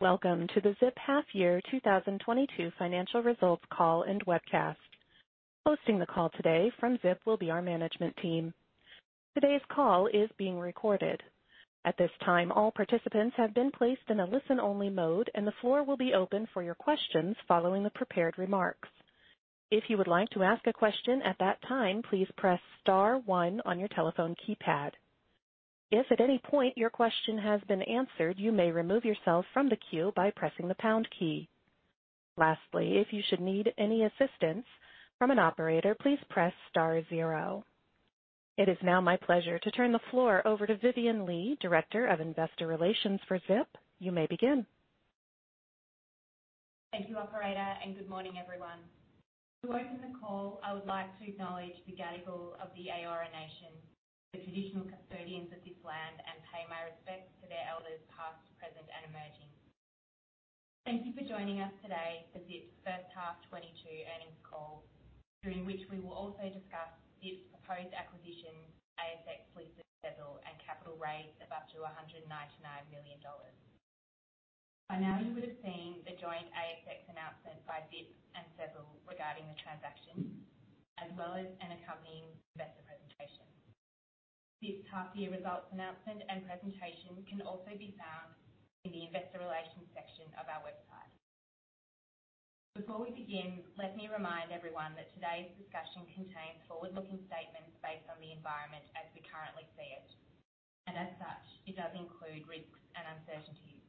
Welcome to the Zip Half Year 2022 financial results call and webcast. Hosting the call today from Zip will be our management team. Today's call is being recorded. At this time, all participants have been placed in a listen-only mode, and the floor will be open for your questions following the prepared remarks. If you would like to ask a question at that time, please press star one on your telephone keypad. If at any point your question has been answered, you may remove yourself from the queue by pressing the pound key. Lastly, if you should need any assistance from an operator, please press star zero. It is now my pleasure to turn the floor over to Vivienne Lee, Director of Investor Relations for Zip. You may begin. Thank you operator, and good morning, everyone. To open the call, I would like to acknowledge the Gadigal of the Eora Nation, the traditional custodians of this land, and pay my respects to their elders, past, present, and emerging. Thank you for joining us today for Zip's first half 2022 earnings call, during which we will also discuss Zip's proposed acquisition of Sezzle and capital raise of up to $99 million. By now you would have seen the joint ASX announcement by Zip and Sezzle regarding the transaction, as well as an accompanying investor presentation. This half year results announcement and presentation can also be found in the investor relations section of our website. Before we begin, let me remind everyone that today's discussion contains forward-looking statements based on the environment as we currently see it, and as such, it does include risks and uncertainties.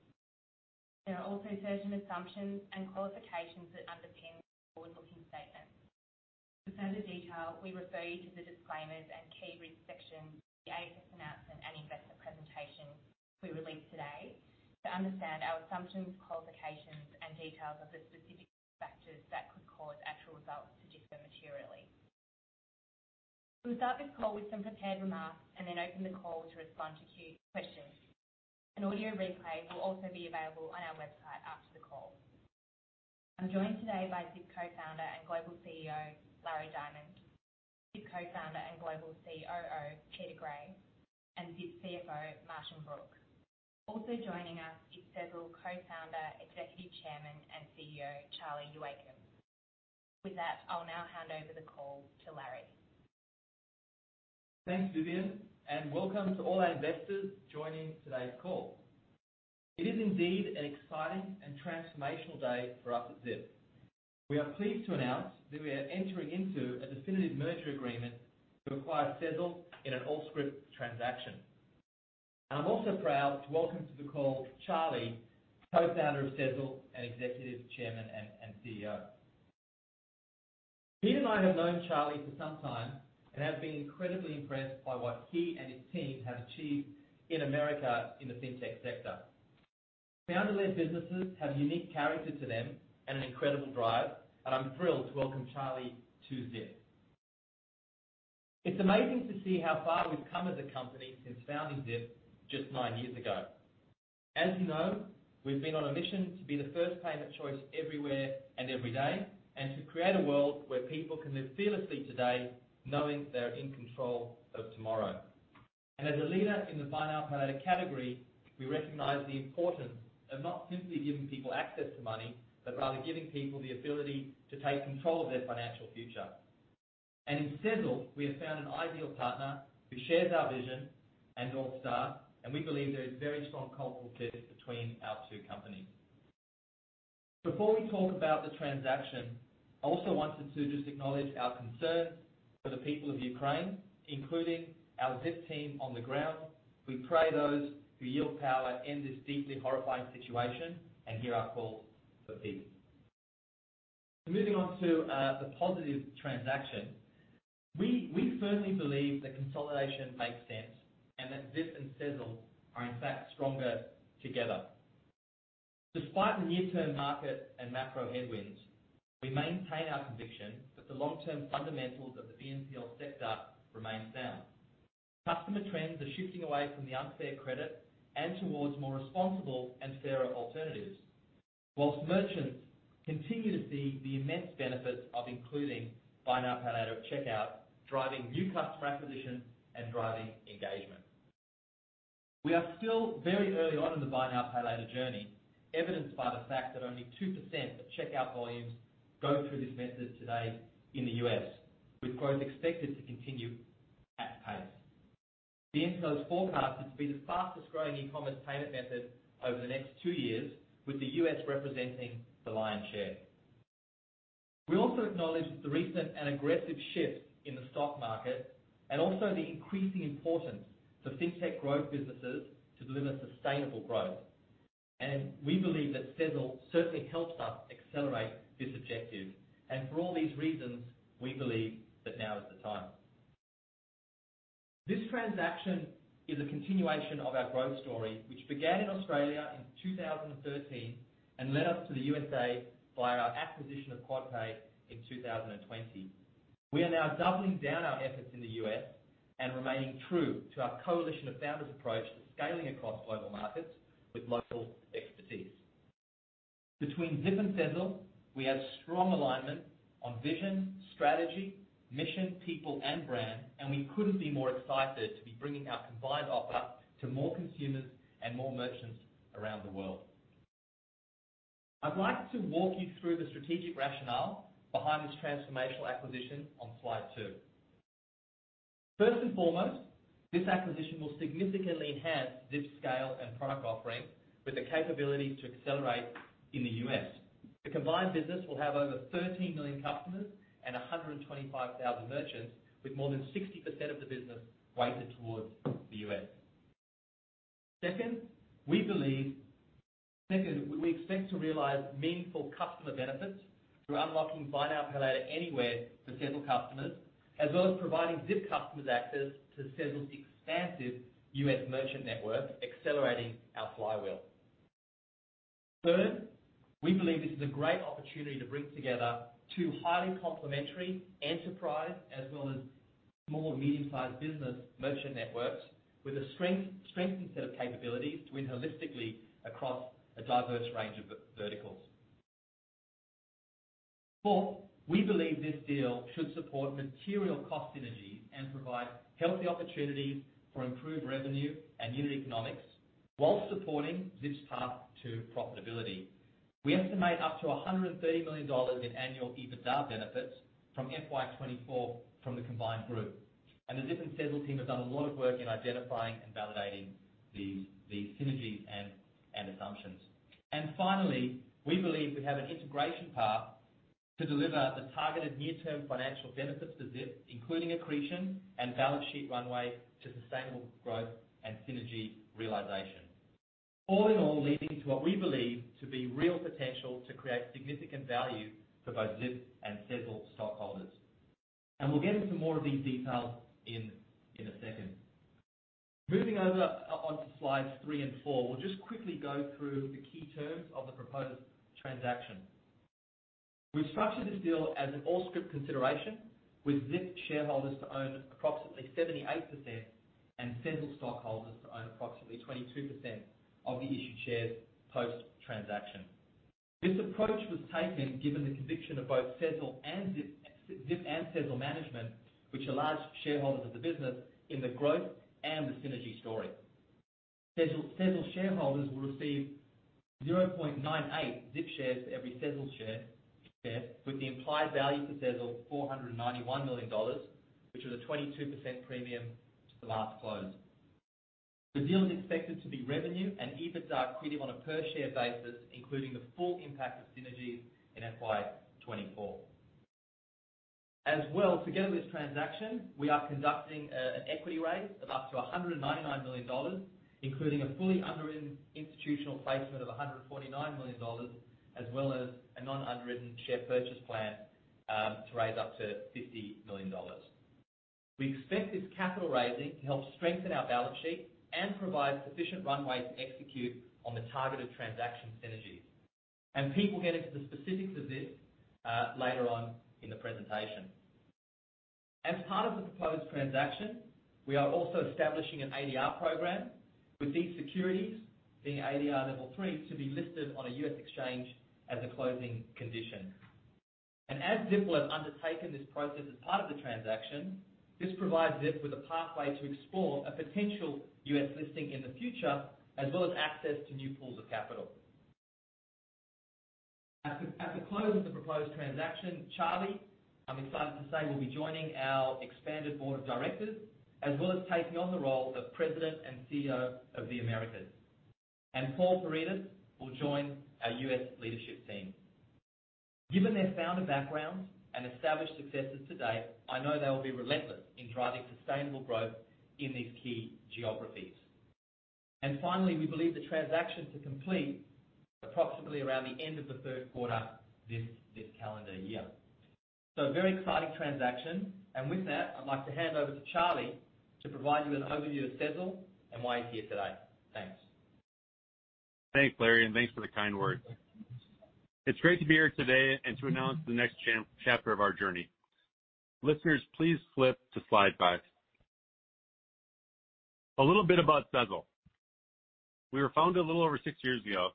There are also certain assumptions and qualifications that underpin forward-looking statements. For further detail, we refer you to the Disclaimers and Key Risk section, the ASX announcement, and investor presentation we released today to understand our assumptions, qualifications, and details of the specific factors that could cause actual results to differ materially. We'll start this call with some prepared remarks and then open the call to respond to questions. An audio replay will also be available on our website after the call. I'm joined today by Zip Co-founder and Global CEO, Larry Diamond; Zip Co-founder and Global COO, Peter Gray; and Zip CFO, Martin Brooke. Also joining us is Sezzle Co-founder, Executive Chairman, and CEO, Charlie Youakim. With that, I'll now hand over the call to Larry. Thanks, Vivian, and welcome to all our investors joining today's call. It is indeed an exciting and transformational day for us at Zip. We are pleased to announce that we are entering into a definitive merger agreement to acquire Sezzle in an all-stock transaction. I'm also proud to welcome to the call Charlie, Co-founder of Sezzle and Executive Chairman and CEO. Pete and I have known Charlie for some time and have been incredibly impressed by what he and his team have achieved in America in the Fintech sector. Founder-led businesses have unique character to them and an incredible drive, and I'm thrilled to welcome Charlie to Zip. It's amazing to see how far we've come as a company since founding Zip just nine years ago. As you know, we've been on a mission to be the first payment choice everywhere and every day, and to create a world where people can live fearlessly today knowing they're in control of tomorrow. As a leader in the buy now, pay later category, we recognize the importance of not simply giving people access to money, but rather giving people the ability to take control of their financial future. In Sezzle, we have found an ideal partner who shares our vision and North Star, and we believe there is very strong cultural fit between our two companies. Before we talk about the transaction, I also wanted to just acknowledge our concerns for the people of Ukraine, including our Zip team on the ground. We pray those who yield power end this deeply horrifying situation and hear our call for peace. Moving on to the positive transaction. We firmly believe that consolidation makes sense and that Zip and Sezzle are in fact stronger together. Despite the near-term market and macro headwinds, we maintain our conviction that the long-term fundamentals of the BNPL sector remain sound. Customer trends are shifting away from the unfair credit and towards more responsible and fairer alternatives. While merchants continue to see the immense benefits of including buy now, pay later at checkout, driving new customer acquisition and driving engagement. We are still very early on in the buy now, pay later journey, evidenced by the fact that only 2% of checkout volumes go through this method today in The U.S., with growth expected to continue at pace. BNPL is forecasted to be the fastest growing e-commerce payment method over the next two years, with The U.S. representing the lion's share. We also acknowledge the recent and aggressive shift in the stock market and also the increasing importance for fintech growth businesses to deliver sustainable growth. We believe that Sezzle certainly helps us accelerate this objective. For all these reasons, we believe that now is the time. This transaction is a continuation of our growth story, which began in Australia in 2013 and led us to The U.S. via our acquisition of Quadpay in 2020. We are now doubling down our efforts in The U.S. and remaining true to our coalition of founders approach to scaling across global markets with local expertise. Between Zip and Sezzle, we have strong alignment on vision, strategy, mission, people and brand, and we couldn't be more excited to be bringing our combined offer to more consumers and more merchants around the world. I'd like to walk you through the strategic rationale behind this transformational acquisition on slide 2. First and foremost, this acquisition will significantly enhance Zip's scale and product offering with the capability to accelerate in The U.S. The combined business will have over 13 million customers and 125,000 merchants, with more than 60% of the business weighted towards The U.S. Second, we expect to realize meaningful customer benefits through unlocking buy now, pay later anywhere for Sezzle customers, as well as providing Zip customers access to Sezzle's expansive US merchant network, accelerating our flywheel. Third, we believe this is a great opportunity to bring together two highly complementary enterprises as well as small and medium-sized business merchant networks with a strengthened set of capabilities to win holistically across a diverse range of verticals. Fourth, we believe this deal should support material cost synergies and provide healthy opportunities for improved revenue and unit economics while supporting Zip's path to profitability. We estimate up to $130 million in annual EBITDA benefits from FY 2024 from the combined group, and the Zip and Sezzle team have done a lot of work in identifying and validating these synergies and assumptions. Finally, we believe we have an integration path to deliver the targeted near-term financial benefits to Zip, including accretion and balance sheet runway to sustainable growth and synergy realization. All in all, leading to what we believe to be real potential to create significant value for both Zip and Sezzle stockholders. We'll get into more of these details in a second. Moving over onto slides 3 and 4, we'll just quickly go through the key terms of the proposed transaction. We've structured this deal as an all-share consideration, with Zip shareholders to own approximately 78% and Sezzle stockholders to own approximately 22% of the issued shares post-transaction. This approach was taken given the conviction of both Sezzle and Zip management, which are large shareholders of the business, in the growth and the synergy story. Sezzle shareholders will receive 0.98 Zip shares for every Sezzle share, with the implied value to Sezzle $491 million, which is a 22% premium to the last close. The deal is expected to be revenue and EBITDA accretive on a per-share basis, including the full impact of synergies in FY 2024. As well, to get this transaction, we are conducting an equity raise of up to $199 million, including a fully underwritten institutional placement of $149 million, as well as a non-underwritten share purchase plan to raise up to $50 million. We expect this capital raising to help strengthen our balance sheet and provide sufficient runway to execute on the targeted transaction synergies. Pete will get into the specifics of this later on in the presentation. As part of the proposed transaction, we are also establishing an ADR program with these securities being ADR Level III to be listed on a U.S. exchange as a closing condition. As Zip will have undertaken this process as part of the transaction, this provides Zip with a pathway to explore a potential U.S. listing in the future, as well as access to new pools of capital. At the close of the proposed transaction, Charlie, I'm excited to say, will be joining our expanded board of directors as well as taking on the role of President and CEO of the Americas. Paul Paradis will join our U.S. leadership team. Given their founder backgrounds and established successes to date, I know they'll be relentless in driving sustainable growth in these key geographies. Finally, we believe the transaction to complete approximately around the end of the third quarter this calendar year. A very exciting transaction. With that, I'd like to hand over to Charlie to provide you an overview of Sezzle and why he's here today. Thanks. Thanks, Larry, and thanks for the kind words. It's great to be here today and to announce the next chapter of our journey. Listeners, please flip to slide five. A little bit about Sezzle. We were founded a little over six years ago,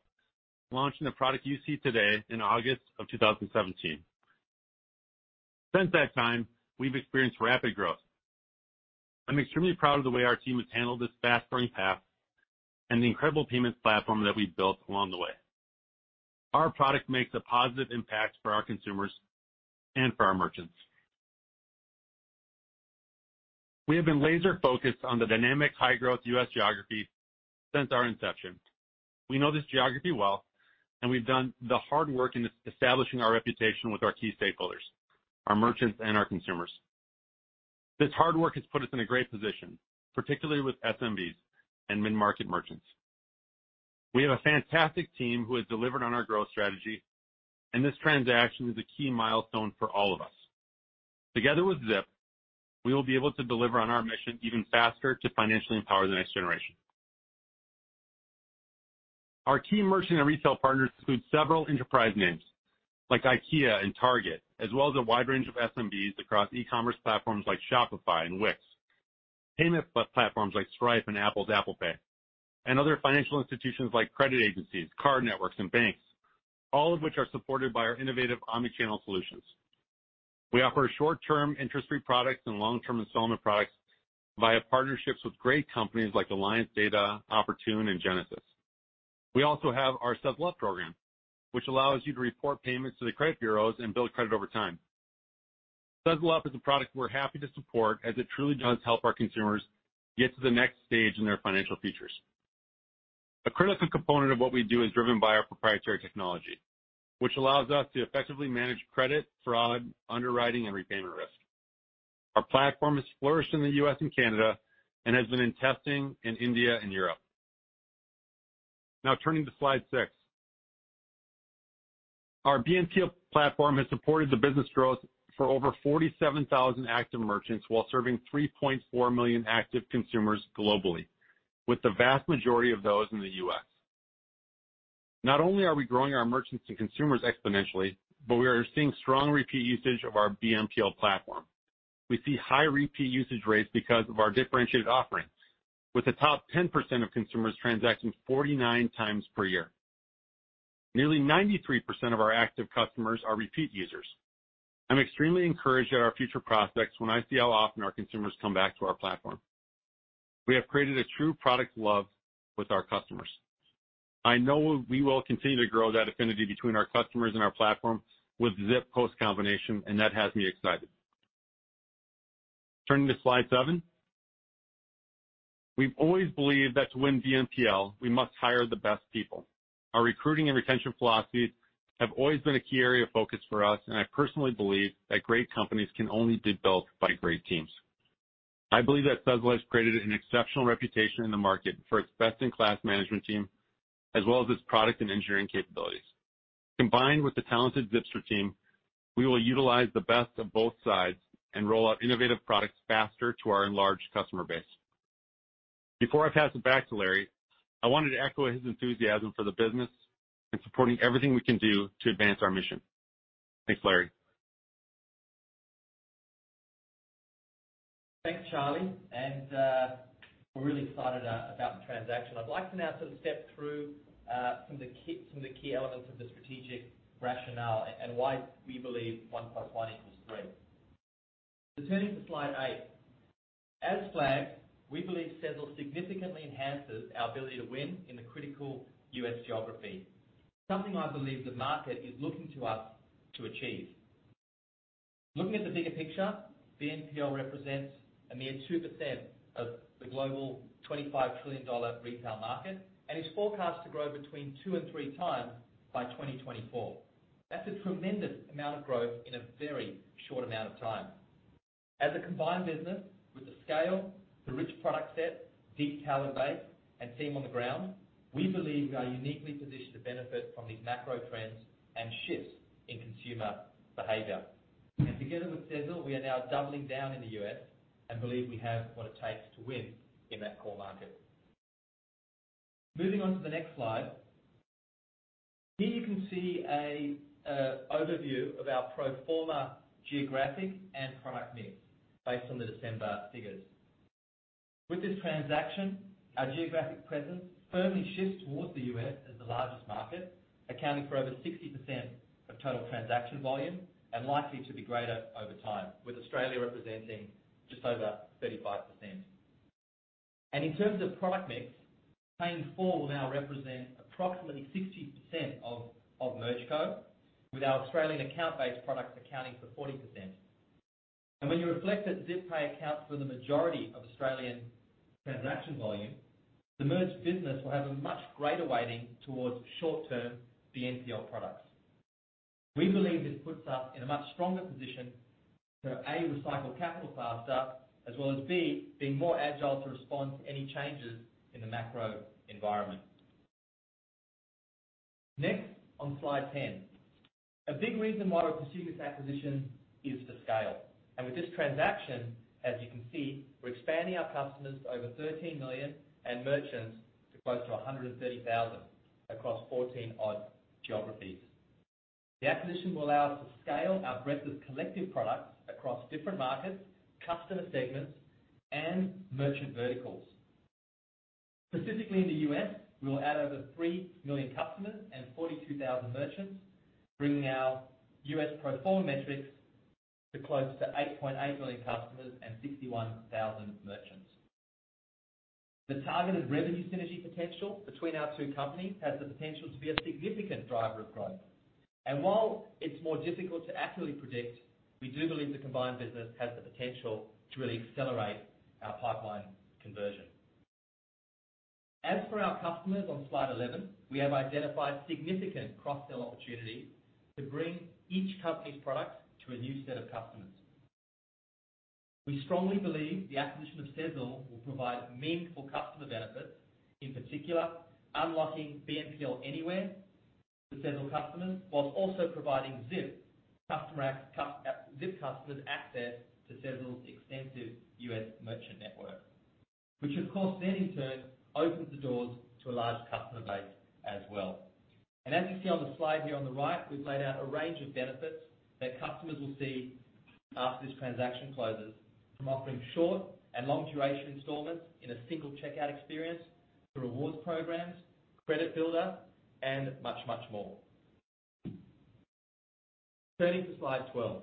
launching the product you see today in August of 2017. Since that time, we've experienced rapid growth. I'm extremely proud of the way our team has handled this fast-growing path and the incredible payments platform that we've built along the way. Our product makes a positive impact for our consumers and for our merchants. We have been laser-focused on the dynamic high-growth U.S. geography since our inception. We know this geography well, and we've done the hard work in establishing our reputation with our key stakeholders, our merchants, and our consumers. This hard work has put us in a great position, particularly with SMBs and mid-market merchants. We have a fantastic team who has delivered on our growth strategy, and this transaction is a key milestone for all of us. Together with Zip, we will be able to deliver on our mission even faster to financially empower the next generation. Our key merchant and retail partners include several enterprise names like IKEA and Target, as well as a wide range of SMBs across e-commerce platforms like Shopify and Wix. Payment platforms like Stripe and Apple's Apple Pay, and other financial institutions like credit agencies, card networks, and banks, all of which are supported by our innovative omni-channel solutions. We offer short-term interest-free products and long-term installment products via partnerships with great companies like Alliance Data, Oportun, and Genesis. We also have our Sezzle Up program, which allows you to report payments to the credit bureaus and build credit over time. Sezzle Up is a product we're happy to support as it truly does help our consumers get to the next stage in their financial futures. A critical component of what we do is driven by our proprietary technology, which allows us to effectively manage credit, fraud, underwriting, and repayment risk. Our platform has flourished in The U.S. and Canada and has been in testing in India and Europe. Now turning to slide six. Our BNPL platform has supported the business growth for over 47,000 active merchants while serving 3.4 million active consumers globally, with the vast majority of those in The U.S. Not only are we growing our merchants and consumers exponentially, but we are seeing strong repeat usage of our BNPL platform. We see high repeat usage rates because of our differentiated offerings with the top 10% of consumers transacting 49 times per year. Nearly 93% of our active customers are repeat users. I'm extremely encouraged at our future prospects when I see how often our consumers come back to our platform. We have created a true product love with our customers. I know we will continue to grow that affinity between our customers and our platform with Zip post-combination, and that has me excited. Turning to slide 7. We've always believed that to win BNPL, we must hire the best people. Our recruiting and retention philosophies have always been a key area of focus for us, and I personally believe that great companies can only be built by great teams. I believe that Sezzle has created an exceptional reputation in the market for its best-in-class management team, as well as its product and engineering capabilities. Combined with the talented Zipster team, we will utilize the best of both sides and roll out innovative products faster to our enlarged customer base. Before I pass it back to Larry, I wanted to echo his enthusiasm for the business in supporting everything we can do to advance our mission. Thanks, Larry. Thanks, Charlie, and we're really excited about the transaction. I'd like to now sort of step through some of the key elements of the strategic rationale and why we believe one plus one equals three. Turning to slide 8. As flagged, we believe Sezzle significantly enhances our ability to win in the critical U.S. geography. Something I believe the market is looking to us to achieve. Looking at the bigger picture, BNPL represents a mere 2% of the global $25 trillion retail market and is forecast to grow two and three times by 2024. That's a tremendous amount of growth in a very short amount of time. As a combined business with the scale, the rich product set, deep talent base, and team on the ground, we believe we are uniquely positioned to benefit from these macro trends and shifts in consumer behavior. Together with Sezzle, we are now doubling down in The U.S. and believe we have what it takes to win in that core market. Moving on to the next slide. Here you can see a overview of our pro forma geographic and product mix based on the December figures. With this transaction, our geographic presence firmly shifts towards The U.S. as the largest market, accounting for over 60% of total transaction volume and likely to be greater over time, with Australia representing just over 35%. In terms of product mix, paying full will now represent approximately 60% of MergeCo, with our Australian account-based products accounting for 40%. When you reflect that Zip Pay accounts for the majority of Australian transaction volume, the merged business will have a much greater weighting towards short-term BNPL products. We believe this puts us in a much stronger position to, A, recycle capital faster, as well as, B, being more agile to respond to any changes in the macro environment. Next, on slide 10. A big reason why we're pursuing this acquisition is the scale. With this transaction, as you can see, we're expanding our customers to over 13 million and merchants to close to 130,000 across 14-odd geographies. The acquisition will allow us to scale our breadth of collective products across different markets, customer segments, and merchant verticals. Specifically in The U.S., we will add over 3 million customers and 42,000 merchants, bringing our U.S. pro forma metrics to close to 8.8 million customers and 61,000 merchants. The targeted revenue synergy potential between our two companies has the potential to be a significant driver of growth. While it's more difficult to accurately predict, we do believe the combined business has the potential to really accelerate our pipeline conversion. As for our customers on slide 11, we have identified significant cross-sell opportunities to bring each company's products to a new set of customers. We strongly believe the acquisition of Sezzle will provide meaningful customer benefits, in particular, unlocking BNPL anywhere for Sezzle customers while also providing Zip customers access to Sezzle's extensive US merchant network, which of course then in turn opens the doors to a large customer base as well. As you see on the slide here on the right, we've laid out a range of benefits that customers will see after this transaction closes. From offering short and long duration installments in a single checkout experience, to rewards programs, credit builder, and much, much more. Turning to slide 12.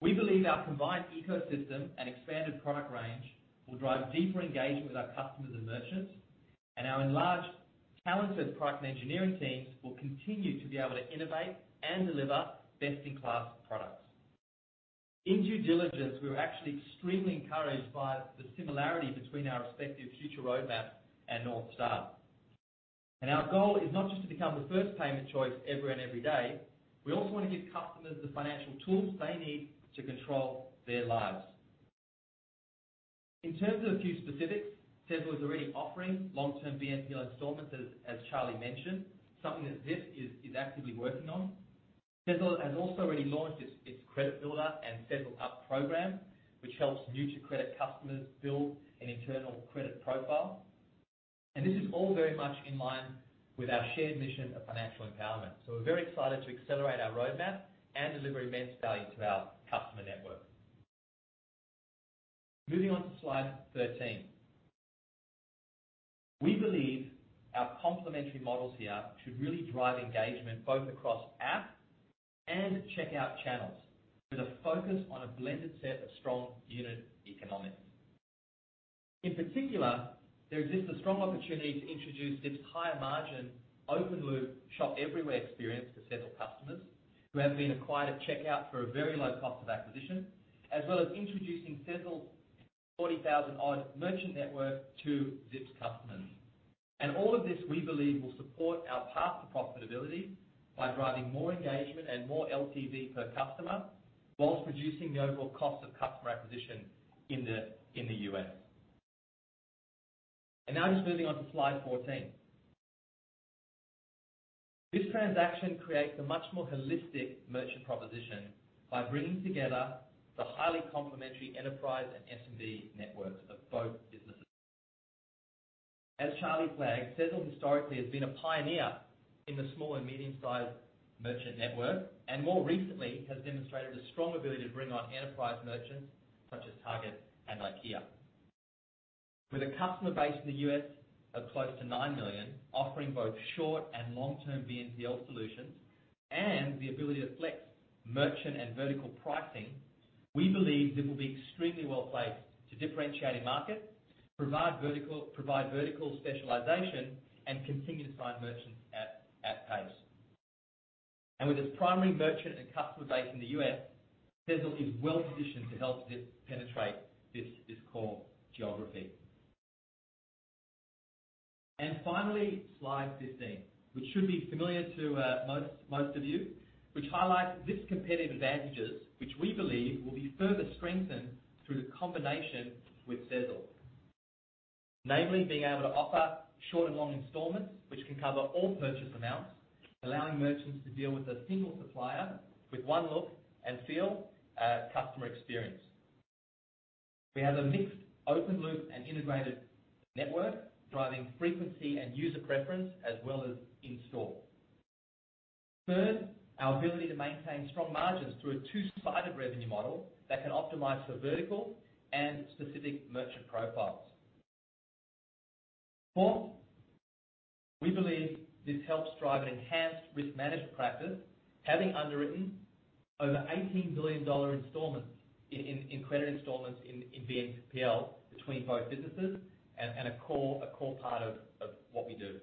We believe our combined ecosystem and expanded product range will drive deeper engagement with our customers and merchants. Our enlarged, talented product and engineering teams will continue to be able to innovate and deliver best-in-class products. In due diligence, we were actually extremely encouraged by the similarity between our respective future roadmaps and North Star. Our goal is not just to become the first payment choice ever and every day, we also wanna give customers the financial tools they need to control their lives. In terms of a few specifics, Sezzle is already offering long-term BNPL installments, as Charlie mentioned, something that Zip is actively working on. Sezzle has also already launched its credit builder and Sezzle Up program, which helps new-to-credit customers build an internal credit profile. This is all very much in line with our shared mission of financial empowerment. We're very excited to accelerate our roadmap and deliver immense value to our customer network. Moving on to slide 13. We believe our complementary models here should really drive engagement both across app and checkout channels, with a focus on a blended set of strong unit economics. In particular, there exists a strong opportunity to introduce this higher margin, open loop, shop everywhere experience to Sezzle customers who have been acquired at checkout for a very low cost of acquisition, as well as introducing Sezzle's 40,000-odd merchant network to Zip's customers. All of this, we believe, will support our path to profitability by driving more engagement and more LTV per customer, while reducing the overall cost of customer acquisition in The U.S. Now just moving on to slide 14. This transaction creates a much more holistic merchant proposition by bringing together the highly complementary enterprise and SMB networks of both businesses. As Charlie flagged, Sezzle historically has been a pioneer in the small and medium-sized merchant network, and more recently has demonstrated a strong ability to bring on enterprise merchants such as Target and IKEA. With a customer base in The U.S. of close to 9 million, offering both short and long-term BNPL solutions, and the ability to flex merchant and vertical pricing, we believe this will be extremely well placed to differentiate in market, provide vertical specialization, and continue to sign merchants at pace. With its primary merchant and customer base in The U.S., Sezzle is well-positioned to help Zip penetrate this core geography. Finally, slide 15, which should be familiar to most of you, which highlights Zip's competitive advantages, which we believe will be further strengthened through the combination with Sezzle. Namely, being able to offer short and long installments, which can cover all purchase amounts, allowing merchants to deal with a single supplier with one look and feel, customer experience. We have a mixed open loop and integrated network driving frequency and user preference as well as in-store. Third, our ability to maintain strong margins through a two-sided revenue model that can optimize for vertical and specific merchant profiles. Fourth, we believe this helps drive an enhanced risk management practice, having underwritten over $18 billion in credit installments in BNPL between both businesses and a core part of what we do.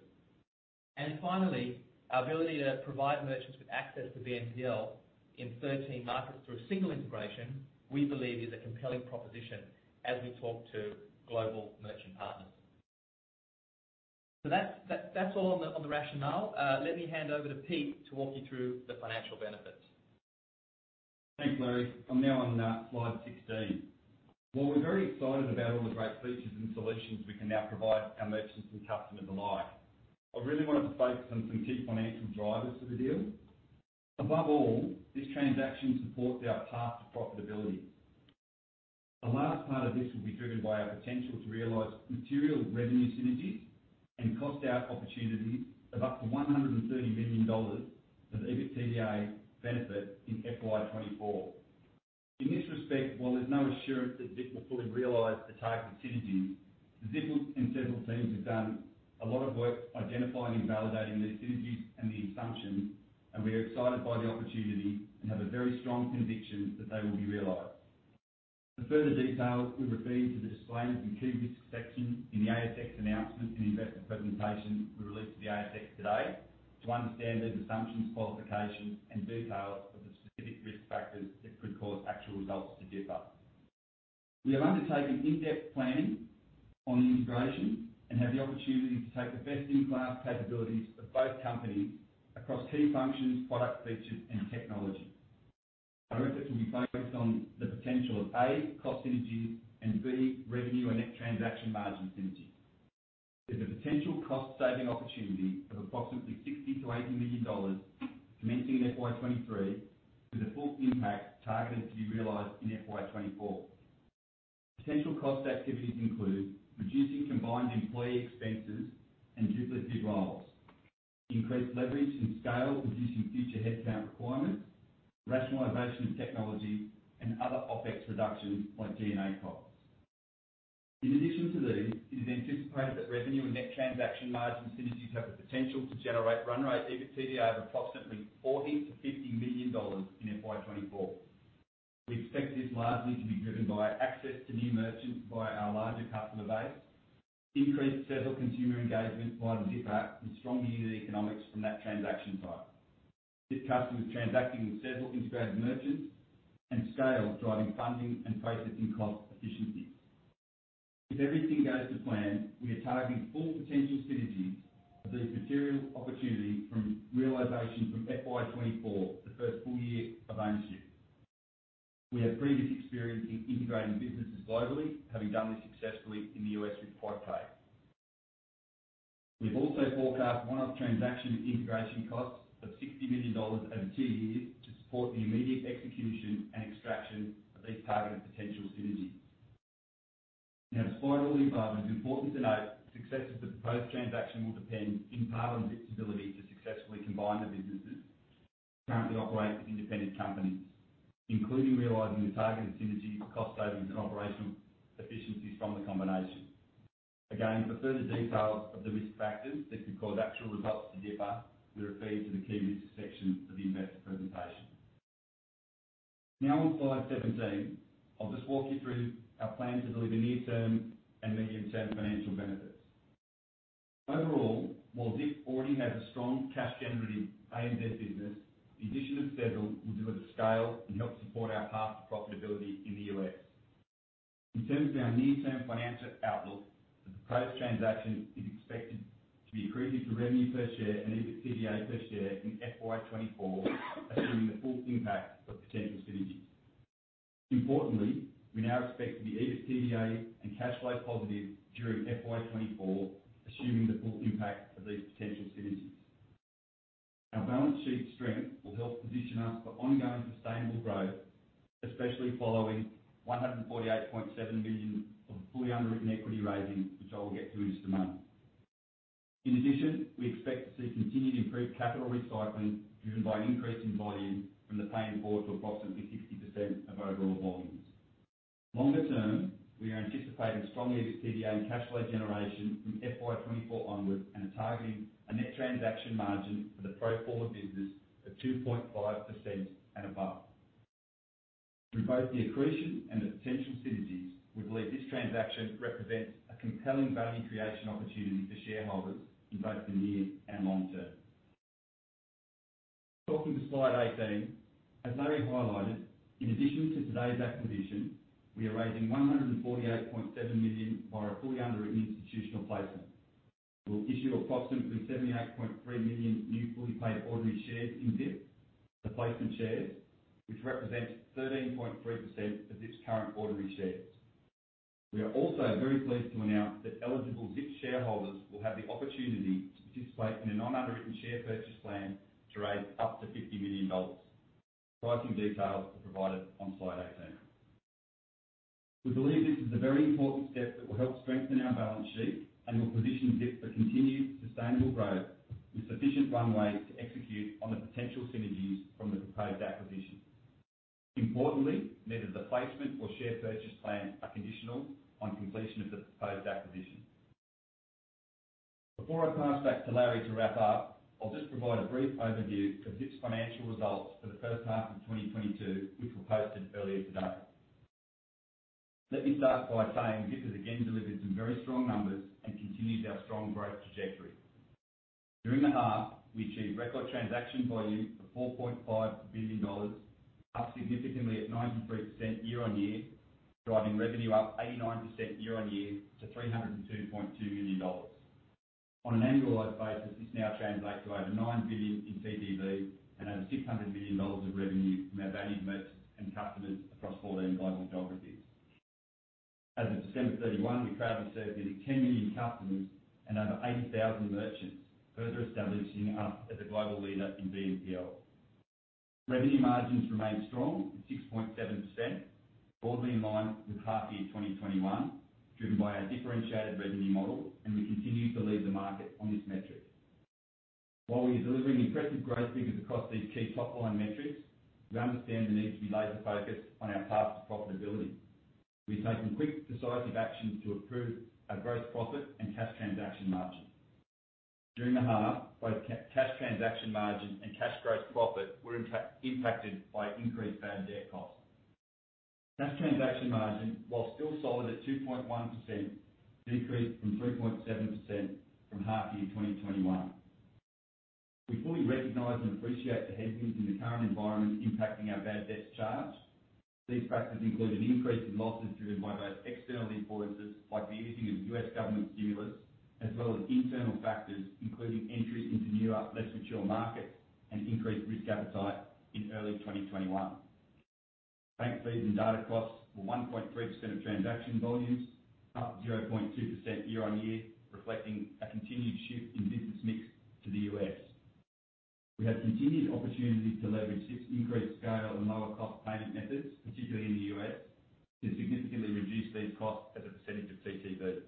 Finally, our ability to provide merchants with access to BNPL in 13 markets through a single integration, we believe is a compelling proposition as we talk to global merchant partners. That's all on the rationale. Let me hand over to Pete to walk you through the financial benefits. Thanks, Larry. I'm now on slide 16. While we're very excited about all the great features and solutions we can now provide our merchants and customers alike, I really wanna focus on some key financial drivers for the deal. Above all, this transaction supports our path to profitability. The last part of this will be driven by our potential to realize material revenue synergies and cost out opportunities of up to $130 million of EBITDA benefit in FY 2024. In this respect, while there's no assurance that Zip will fully realize the target synergies, the Zip and Sezzle teams have done a lot of work identifying and validating these synergies and the assumptions, and we are excited by the opportunity and have a very strong conviction that they will be realized. For further details, we refer you to the disclosed and achieved risk section in the ASX announcement and investor presentation we released to the ASX today to understand the assumptions, qualifications, and details of the specific risk factors that could cause actual results to differ. We have undertaken in-depth planning on the integration and have the opportunity to take the best-in-class capabilities of both companies across key functions, product features, and technology. Our efforts will be focused on the potential of, A, cost synergies and, B, revenue or net transaction margin synergy. There's a potential cost-saving opportunity of approximately $60 million-$80 million commencing in FY 2023, with a full impact targeted to be realized in FY 2024. Potential cost activities include reducing combined employee expenses and duplicative roles, increased leverage and scale, reducing future headcount requirements, rationalization of technology, and other OpEx reductions like G&A costs. In addition to these, it is anticipated that revenue and net transaction margin synergies have the potential to generate run rate EBITDA of approximately $40 million-AUD 50 million in FY 2024. We expect this largely to be driven by access to new merchants via our larger customer base, increased Sezzle consumer engagement via the Zip app, and stronger unit economics from that transaction type. This customer is transacting with Sezzle integrated merchants and scale, driving funding and processing cost efficiencies. If everything goes to plan, we are targeting full potential synergies of the material opportunity from realization from FY 2024, the first full-year of ownership. We have previous experience in integrating businesses globally, having done this successfully in The U.S. with Quadpay. We've also forecast one-off transaction integration costs of 60 million dollars over two years to support the immediate execution and extraction of these targeted potential synergies. Now, despite all the above, it's important to note the success of the proposed transaction will depend in part on its ability to successfully combine the businesses currently operating as independent companies, including realizing the targeted synergies, cost savings, and operational efficiencies from the combination. Again, for further details of the risk factors that could cause actual results to differ, we refer you to the Key Risks section of the investor presentation. Now on slide 17, I'll just walk you through our plan to deliver near-term and medium-term financial benefits. Overall, while Zip already has a strong cash-generative ANZ business, the addition of Sezzle will deliver scale and help support our path to profitability in The U.S. In terms of our near-term financial outlook, the proposed transaction is expected to be accretive to revenue per share and EBITDA per share in FY 2024, assuming the full impact of potential synergies. Importantly, we now expect to be EBITDA and cash flow positive during FY 2024, assuming the full impact of these potential synergies. Our balance sheet strength will help position us for ongoing sustainable growth, especially following 148.7 million of fully underwritten equity raising, which I will get to in just a moment. In addition, we expect to see continued improved capital recycling driven by an increase in volume from the Pay in 4 to approximately 60% of overall volumes. Longer-term, we are anticipating strong EBITDA and cash flow generation from FY 2024 onwards and are targeting a net transaction margin for the pro forma business of 2.5% and above. Through both the accretion and the potential synergies, we believe this transaction represents a compelling value creation opportunity for shareholders in both the near and long-term. Talking to slide 18, as Larry highlighted, in addition to today's acquisition, we are raising 148.7 million by a fully underwritten institutional placement. We'll issue approximately 78.3 million new fully paid ordinary shares in Zip, the placement shares, which represents 13.3% of Zip's current ordinary shares. We are also very pleased to announce that eligible Zip shareholders will have the opportunity to participate in a non-underwritten share purchase plan to raise up to 50 million dollars. Pricing details are provided on slide 18. We believe this is a very important step that will help strengthen our balance sheet and will position Zip for continued sustainable growth with sufficient runway to execute on the potential synergies from the proposed acquisition. Importantly, neither the placement or share purchase plan are conditional on completion of the proposed acquisition. Before I pass back to Larry to wrap up, I'll just provide a brief overview of Zip's financial results for the first half of 2022, which were posted earlier today. Let me start by saying Zip has again delivered some very strong numbers and continued our strong growth trajectory. During the half, we achieved record transaction volume of 4.5 billion dollars, up significantly at 93% year-on-year, driving revenue up 89% year-on-year to 302.2 million dollars. On an annualized basis, this now translates to over 9 billion in TPV and over 600 million dollars of revenue from our valued merchants and customers across 14 global geographies. As of December 31, we proudly served nearly 10 million customers and over 80,000 merchants, further establishing us as a global leader in BNPL. Revenue margins remained strong at 6.7%, broadly in line with half year 2021, driven by our differentiated revenue model, and we continue to lead the market on this metric. While we are delivering impressive growth figures across these key top-line metrics, we understand the need to be laser-focused on our path to profitability. We've taken quick, decisive actions to improve our gross profit and cash transaction margin. During the half, both cash transaction margin and cash gross profit were impacted by increased bad debt costs. Cash transaction margin, while still solid at 2.1%, decreased from 3.7% from half year 2021. We fully recognize and appreciate the headwinds in the current environment impacting our bad debts charge. These factors include an increase in losses driven by both external influences, like the easing of US government stimulus, as well as internal factors, including entry into newer, less mature markets and increased risk appetite in early 2021. Bank fees and data costs were 1.3% of transaction volumes, up 0.2% year-on-year, reflecting a continued shift in business mix to The U.S. We have continued opportunities to leverage this increased scale and lower-cost payment methods, particularly in The U.S., to significantly reduce these costs as a percentage of TTV.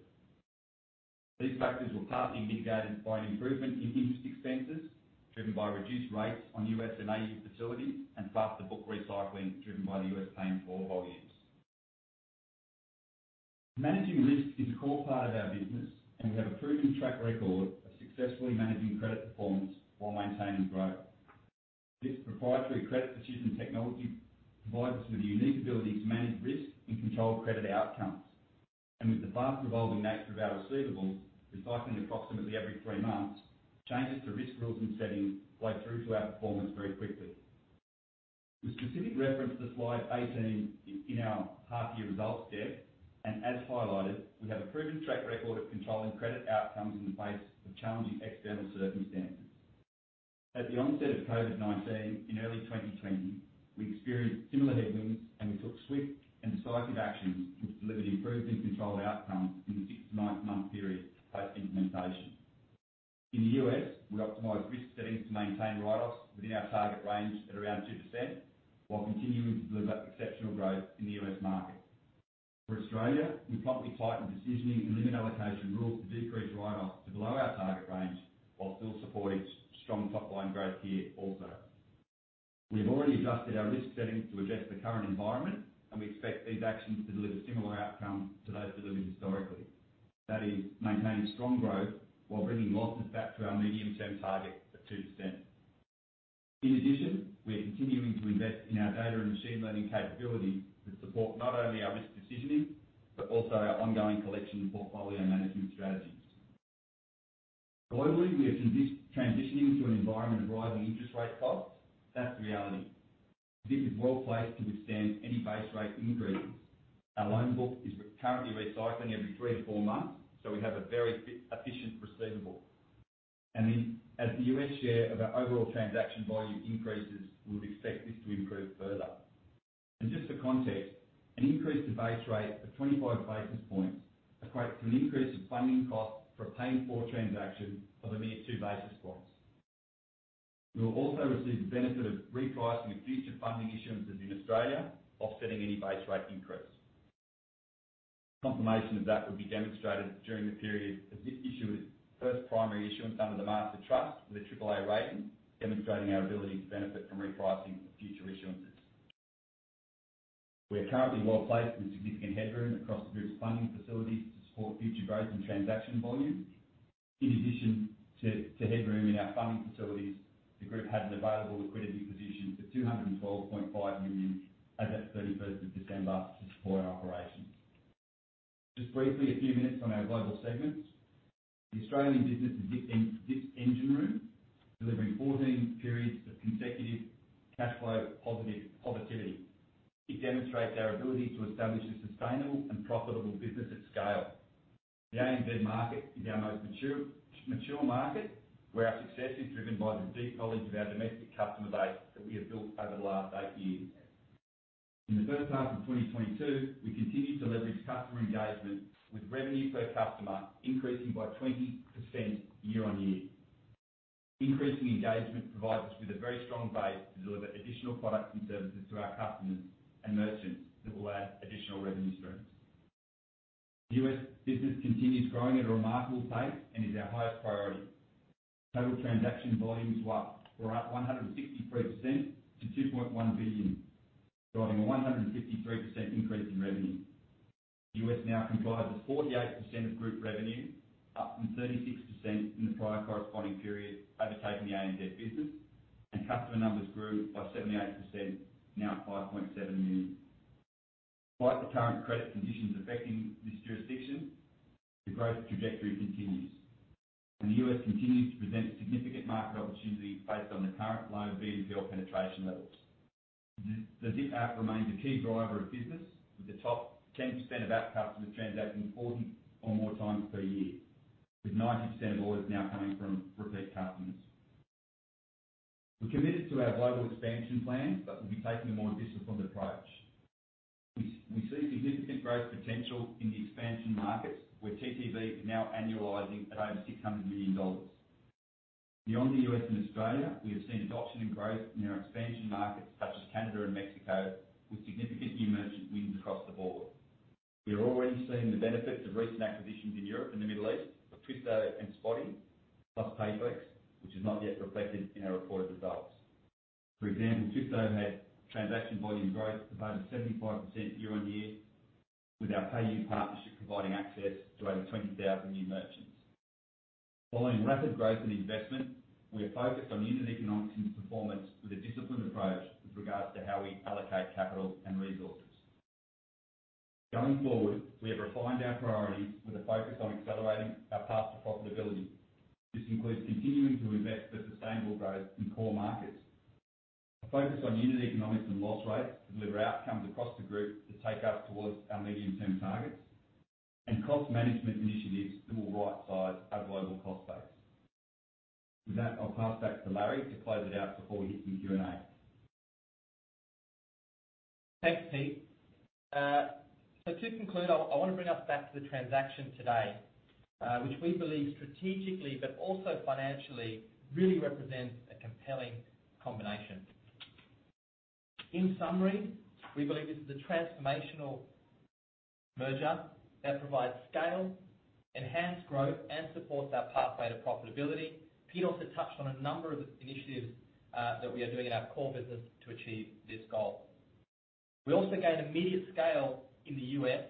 These factors were partly mitigated by an improvement in interest expenses, driven by reduced rates on U.S. and AU facilities, and faster book recycling driven by The U.S. Pay in 4 volumes. Managing risk is a core part of our business, and we have a proven track record of successfully managing credit performance while maintaining growth. This proprietary credit decision technology provides us with a unique ability to manage risk and control credit outcomes. With the fast-evolving nature of our receivables, recycling approximately every three months, changes to risk rules and settings play through to our performance very quickly. We specifically referenced the slide 18 in our half year results deck, and as highlighted, we have a proven track record of controlling credit outcomes in the face of challenging external circumstances. At the onset of COVID-19 in early 2020, we experienced similar headwinds, and we took swift and decisive action, which delivered improved and controlled outcomes in the six to nine-month period post-implementation. In The U.S., we optimized risk settings to maintain write-offs within our target range at around 2% while continuing to deliver exceptional growth in The US market. For Australia, we promptly tightened decisioning and limit allocation rules to decrease write-offs to below our target range while still supporting strong top-line growth here also. We have already adjusted our risk settings to address the current environment, and we expect these actions to deliver similar outcomes to those delivered historically. That is, maintaining strong growth while bringing losses back to our medium-term target of 2%. In addition, we are continuing to invest in our data and machine learning capabilities to support not only our risk decisioning, but also our ongoing collection and portfolio management strategies. Globally, we are transitioning to an environment of rising interest rate costs. That's the reality. Zip is well-placed to withstand any base rate increases. Our loan book is currently recycling every three to four months, so we have a very efficient receivable. As The U.S. share of our overall transaction volume increases, we would expect this to improve further. Just for context, an increase to base rate of 25 basis points equates to an increase in funding costs for a Pay in 4 transaction of a mere 2 basis points. We will also receive the benefit of repricing of future funding issuances in Australia, offsetting any base rate increase. Confirmation of that will be demonstrated during the period as Zip issues its first primary issuance under the Master Trust with a AAA rating, demonstrating our ability to benefit from repricing future issuances. We are currently well-placed with significant headroom across the group's funding facilities to support future growth and transaction volume. In addition to headroom in our funding facilities, the group has an available liquidity position of AUD 212.5 million as at 31 December to support our operations. Just briefly, a few minutes on our global segments. The Australian business is Zip's engine room, delivering 14 periods of consecutive cash flow positivity. It demonstrates our ability to establish a sustainable and profitable business at scale. The ANZ market is our most mature market, where our success is driven by the deep knowledge of our domestic customer base that we have built over the last eight years. In the first half of 2022, we continued to leverage customer engagement with revenue per customer increasing by 20% year-on-year. Increasing engagement provides us with a very strong base to deliver additional products and services to our customers and merchants that will add additional revenue streams. US business continues growing at a remarkable pace and is our highest priority. Total transaction volumes were up 163% to 2.1 billion, driving a 153% increase in revenue. U.S. now comprises 48% of group revenue, up from 36% in the prior corresponding period, overtaking the ANZ business, and customer numbers grew by 78%, now at 5.7 million. Despite the current credit conditions affecting this jurisdiction, the growth trajectory continues, and The U.S. continues to present significant market opportunities based on the current low BNPL penetration levels. The Zip app remains a key driver of business, with the top 10% of our customers transacting 40 or more times per year, with 90% of orders now coming from repeat customers. We're committed to our global expansion plan, but we'll be taking a more disciplined approach. We see significant growth potential in the expansion markets, where TTV is now annualizing at over 600 million dollars. Beyond The U.S. and Australia, we have seen adoption and growth in our expansion markets such as Canada and Mexico, with significant new merchant wins across the board. We are already seeing the benefits of recent acquisitions in Europe and the Middle East with Twisto and Spotii, plus Payflex, which is not yet reflected in our reported results. For example, Twisto had transaction volume growth of over 75% year-on-year, with our PayU partnership providing access to over 20,000 new merchants. Following rapid growth and investment, we are focused on unit economics and performance with a disciplined approach with regards to how we allocate capital and resources. Going forward, we have refined our priorities with a focus on accelerating our path to profitability. This includes continuing to invest for sustainable growth in core markets, a focus on unit economics and loss rates to deliver outcomes across the group to take us towards our medium-term targets, and cost management initiatives that will right-size our global cost base. With that, I'll pass back to Larry to close it out before we hit some Q&A. Thanks, Pete. So to conclude, I wanna bring us back to the transaction today, which we believe strategically but also financially really represents a compelling combination. In summary, we believe this is a transformational merger that provides scale, enhanced growth, and supports our pathway to profitability. Pete also touched on a number of initiatives that we are doing in our core business to achieve this goal. We also gain immediate scale in The U.S.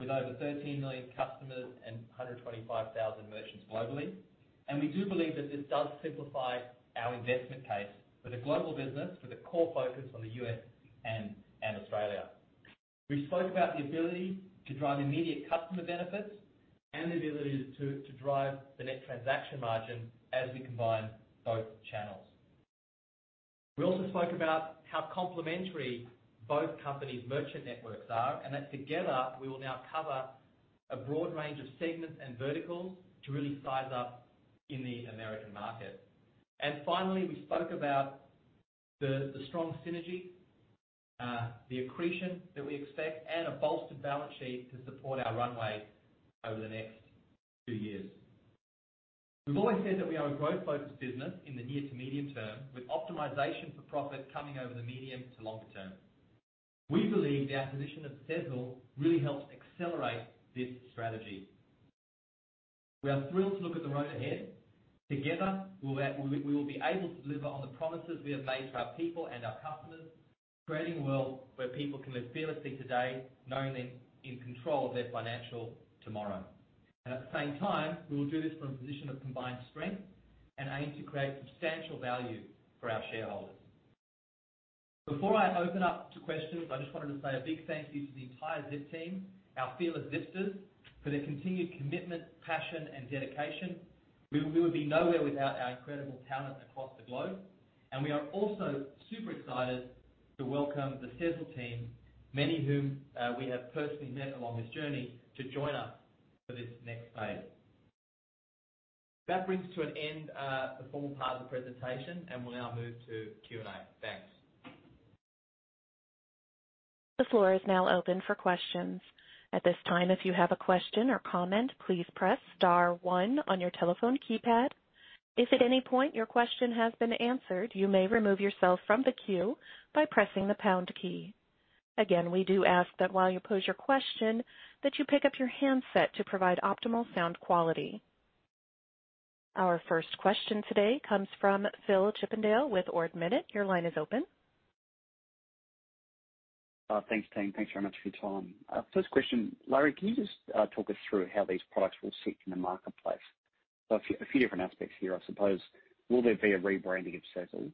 with over 13 million customers and 125,000 merchants globally. We do believe that this does simplify our investment case with a global business with a core focus on The U.S. and Australia. We spoke about the ability to drive immediate customer benefits and the ability to drive the net transaction margin as we combine both channels. We also spoke about how complementary both companies' merchant networks are, and that together we will now cover a broad range of segments and verticals to really size up in the American market. Finally, we spoke about the strong synergy, the accretion that we expect and a bolstered balance sheet to support our runway over the next two years. We've always said that we are a growth-focused business in the near to medium term, with optimization for profit coming over the medium to longer term. We believe the acquisition of Sezzle really helps accelerate this strategy. We are thrilled to look at the road ahead. Together, we will be able to deliver on the promises we have made to our people and our customers, creating a world where people can live fearlessly today, knowing they're in control of their financial tomorrow. At the same time, we will do this from a position of combined strength and aim to create substantial value for our shareholders. Before I open up to questions, I just wanted to say a big thank you to the entire Zip team, our Fearless Zipsters, for their continued commitment, passion and dedication. We would be nowhere without our incredible talent across the globe. We are also super excited to welcome the Sezzle team, many whom we have personally met along this journey, to join us for this next phase. That brings to an end the formal part of the presentation, and we'll now move to Q&A. Thanks. The floor is now open for questions. At this time, if you have a question or comment, please press star one on your telephone keypad. If at any point your question has been answered, you may remove yourself from the queue by pressing the pound key. Again, we do ask that while you pose your question, that you pick up your handset to provide optimal sound quality. Our first question today comes from Phil Chippindale with Ord Minnett. Your line is open. Thanks, team. Thanks very much for your time. First question. Larry, can you just talk us through how these products will sit in the marketplace? A few different aspects here, I suppose. Will there be a rebranding of Sezzle?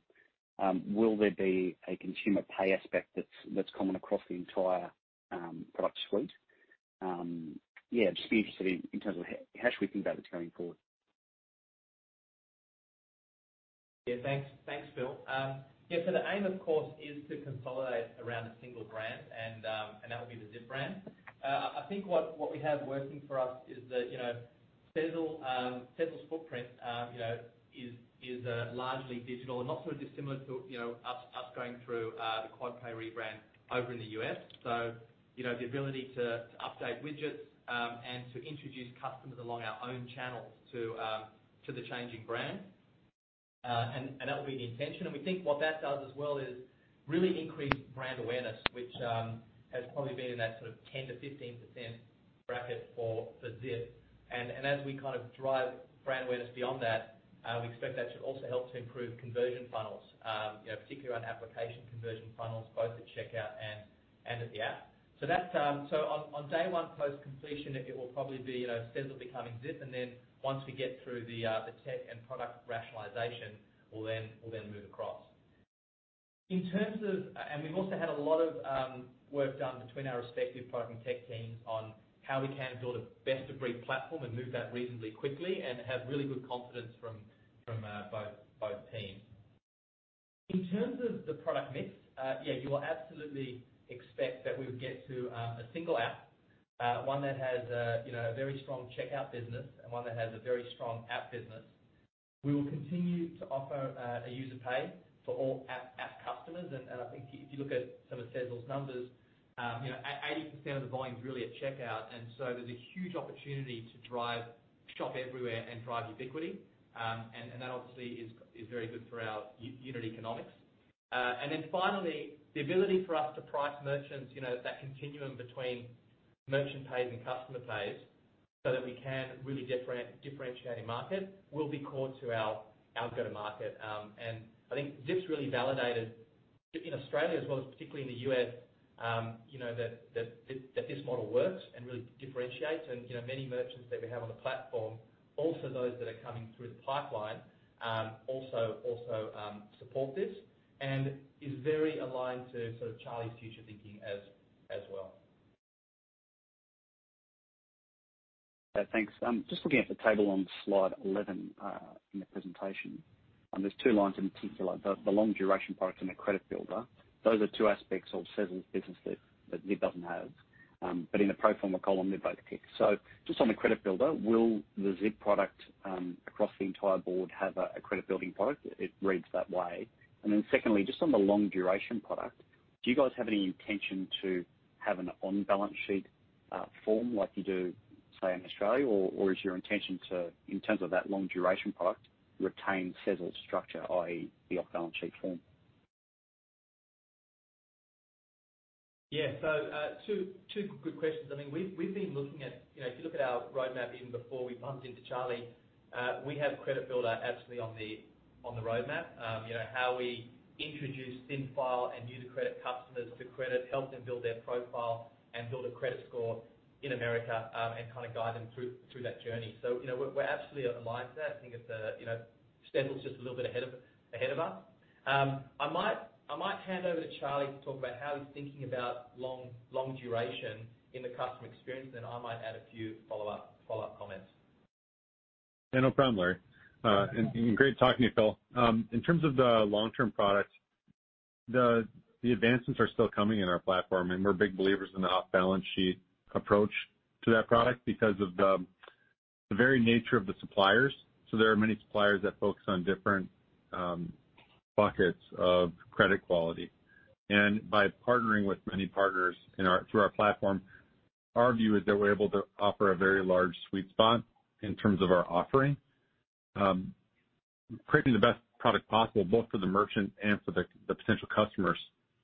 Will there be a consumer pay aspect that's common across the entire product suite? Yeah, just be interested in terms of how should we think about this going forward? Yeah, thanks. Thanks, Phil. Yeah, the aim, of course, is to consolidate around a single brand and that will be the Zip brand. I think what we have working for us is that, you know, Sezzle's footprint, you know, is largely digital and not sort of dissimilar to, you know, us going through the Quadpay rebrand over in The U.S. You know, the ability to update widgets and to introduce customers along our own channels to the changing brand. That will be the intention. We think what that does as well is really increase brand awareness, which has probably been in that sort of 10%-15% bracket for Zip. As we kind of drive brand awareness beyond that, we expect that should also help to improve conversion funnels, you know, particularly around application conversion funnels, both at checkout and at the app. That's on day one post-completion, it will probably be, you know, Sezzle becoming Zip. Then once we get through the tech and product rationalization, we'll then move across. In terms of, we've also had a lot of work done between our respective product and tech teams on how we can build a best of breed platform and move that reasonably quickly and have really good confidence from both teams. In terms of the product mix, yeah, you will absolutely expect that we would get to a single app, one that has you know, a very strong checkout business and one that has a very strong app business. We will continue to offer a Zip Pay for all app customers. I think if you look at some of Sezzle's numbers, you know, 80% of the volume is really at checkout, and so there's a huge opportunity to drive shop everywhere and drive ubiquity. That obviously is very good for our unit economics. Finally, the ability for us to price merchants, you know, that continuum between merchant pay and customer pays so that we can really differentiate in market will be core to our go-to-market. I think Zip's really validated in Australia as well as particularly in The U.S., you know, that this model works and really differentiates. You know, many merchants that we have on the platform, also those that are coming through the pipeline, also support this and is very aligned to sort of Charlie's future thinking as well. Thanks. Just looking at the table on slide 11 in the presentation. There's two lines in particular. The long duration product and the credit builder. Those are two aspects of Sezzle's business that Zip doesn't have. But in the pro forma column, they're both ticked. So just on the credit builder, will the Zip product across the entire board have a credit building product? It reads that way. Then secondly, just on the long duration product, do you guys have any intention to have an on-balance sheet form like you do, say, in Australia? Or is your intention to, in terms of that long duration product, retain Sezzle's structure, i.e., the off-balance sheet form? Yeah. Two good questions. I mean, we've been looking at. You know, if you look at our roadmap, even before we bumped into Charlie, we have credit builder absolutely on the roadmap. You know, how we introduce thin file and new-to-credit customers to credit, help them build their profile and build a credit score in America, and kinda guide them through that journey. You know, we're absolutely aligned to that. I think it's, you know, Sezzle's just a little bit ahead of us. I might hand over to Charlie to talk about how he's thinking about long duration in the customer experience, then I might add a few follow-up comments. Yeah, no problem, Larry. Great talking to you, Phil. In terms of the long-term products, the advancements are still coming in our platform, and we're big believers in the off-balance sheet approach to that product because of the very nature of the suppliers. There are many suppliers that focus on different buckets of credit quality. By partnering with many partners through our platform, our view is that we're able to offer a very large sweet spot in terms of our offering. Creating the best product possible, both for the merchant and for the potential customers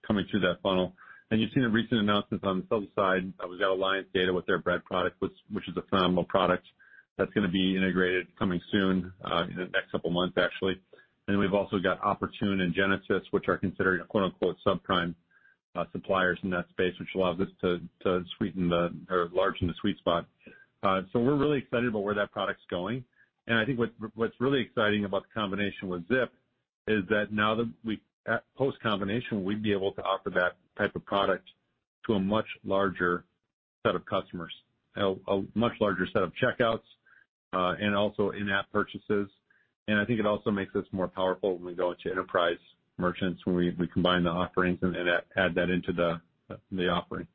coming through that funnel. You've seen the recent announcements on the Sezzle side. We've got Alliance Data with their Bread product, which is a phenomenal product. That's gonna be integrated coming soon, in the next couple months, actually. We've also got Oportun and Genesis, which are considered, you know, quote-unquote, subprime suppliers in that space, which allows us to sweeten the or enlarge the sweet spot. We're really excited about where that product's going. I think what's really exciting about the combination with Zip is that post-combination, we'd be able to offer that type of product to a much larger set of customers, a much larger set of checkouts, and also in-app purchases. I think it also makes us more powerful when we go into enterprise merchants, when we combine the offerings and add that into the offerings.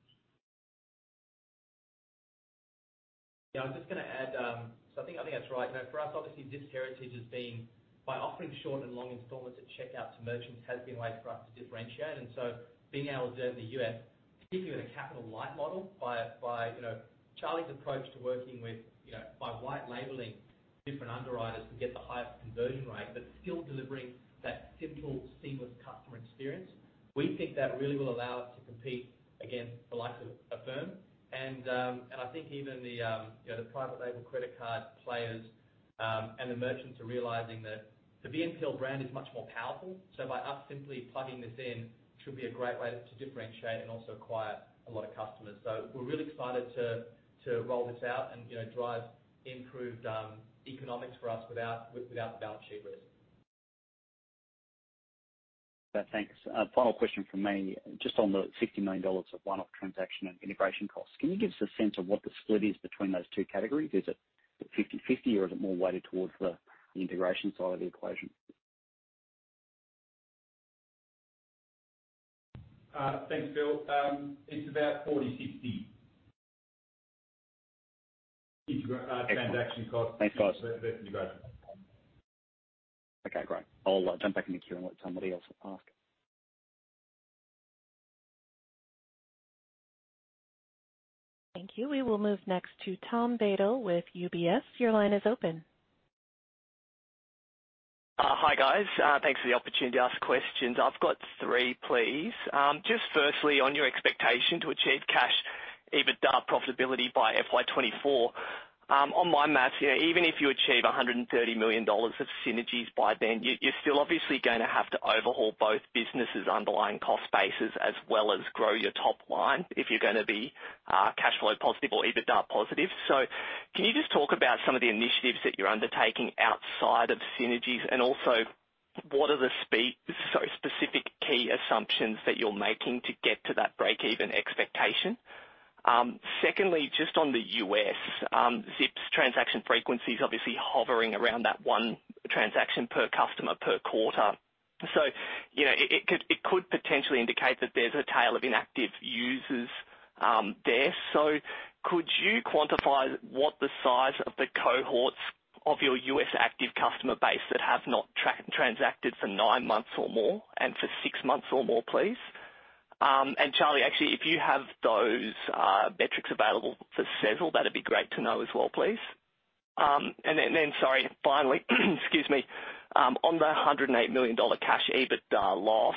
Yeah, I'm just gonna add, I think that's right. You know, for us, obviously, Zip's heritage has been by offering short and long installments at checkout to merchants, has been a way for us to differentiate. Being able to do it in The U.S., particularly in a capital light model by, you know, Charlie's approach to working with, you know, by white labeling different underwriters to get the highest conversion rate, but still delivering that simple, seamless customer experience, we think that really will allow us to compete against the likes of Affirm and I think even the, you know, the private label credit card players. The merchants are realizing that the BNPL brand is much more powerful, so by us simply plugging this in should be a great way to differentiate and also acquire a lot of customers. We're really excited to roll this out and, you know, drive improved economics for us without the balance sheet risk. Thanks. Final question from me. Just on the 60 million dollars of one-off transaction and integration costs, can you give us a sense of what the split is between those two categories? Is it 50/50, or is it more weighted towards the integration side of the equation? Thanks, Phil. It's about 40/60. Excellent. transaction cost Thanks, guys. versus integration. Okay, great. I'll jump back in the queue and let somebody else ask. Thank you. We will move next to Tom Beadle with UBS. Your line is open. Hi, guys. Thanks for the opportunity to ask questions. I've got three, please. Just firstly, on your expectation to achieve cash EBITDA profitability by FY 2024, on my math, you know, even if you achieve 130 million dollars of synergies by then, you're still obviously gonna have to overhaul both businesses' underlying cost bases as well as grow your top line if you're gonna be cash flow positive or EBITDA positive. Can you just talk about some of the initiatives that you're undertaking outside of synergies? And also, what are the specific key assumptions that you're making to get to that break even expectation? Secondly, just on The U.S., Zip's transaction frequency is obviously hovering around that one transaction per customer per quarter. You know, it could potentially indicate that there's a tail of inactive users there. Could you quantify what the size of the cohorts of your US active customer base that have not transacted for nine months or more and for six months or more please? And Charlie, actually, if you have those metrics available for Sezzle, that'd be great to know as well, please. And then sorry, finally, excuse me. On the 108 million dollar cash EBITDA loss,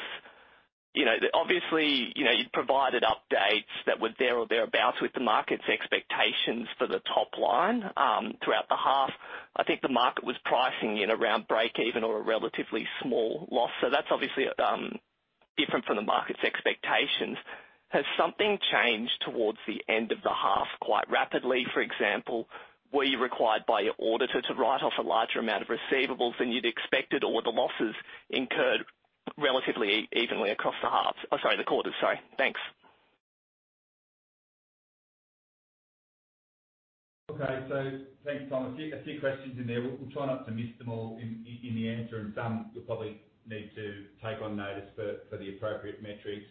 you know, obviously, you know, you'd provided updates that were there or thereabouts with the market's expectations for the top line throughout the half. I think the market was pricing in around break even or a relatively small loss. That's obviously different from the market's expectations. Has something changed towards the end of the half quite rapidly? For example, were you required by your auditor to write off a larger amount of receivables than you'd expected or the losses incurred relatively evenly across the half? Oh, sorry, the quarters. Sorry. Thanks. Okay. Thanks, Tom. A few questions in there. We'll try not to miss them all in the answer, and some we'll probably need to take on notice for the appropriate metrics.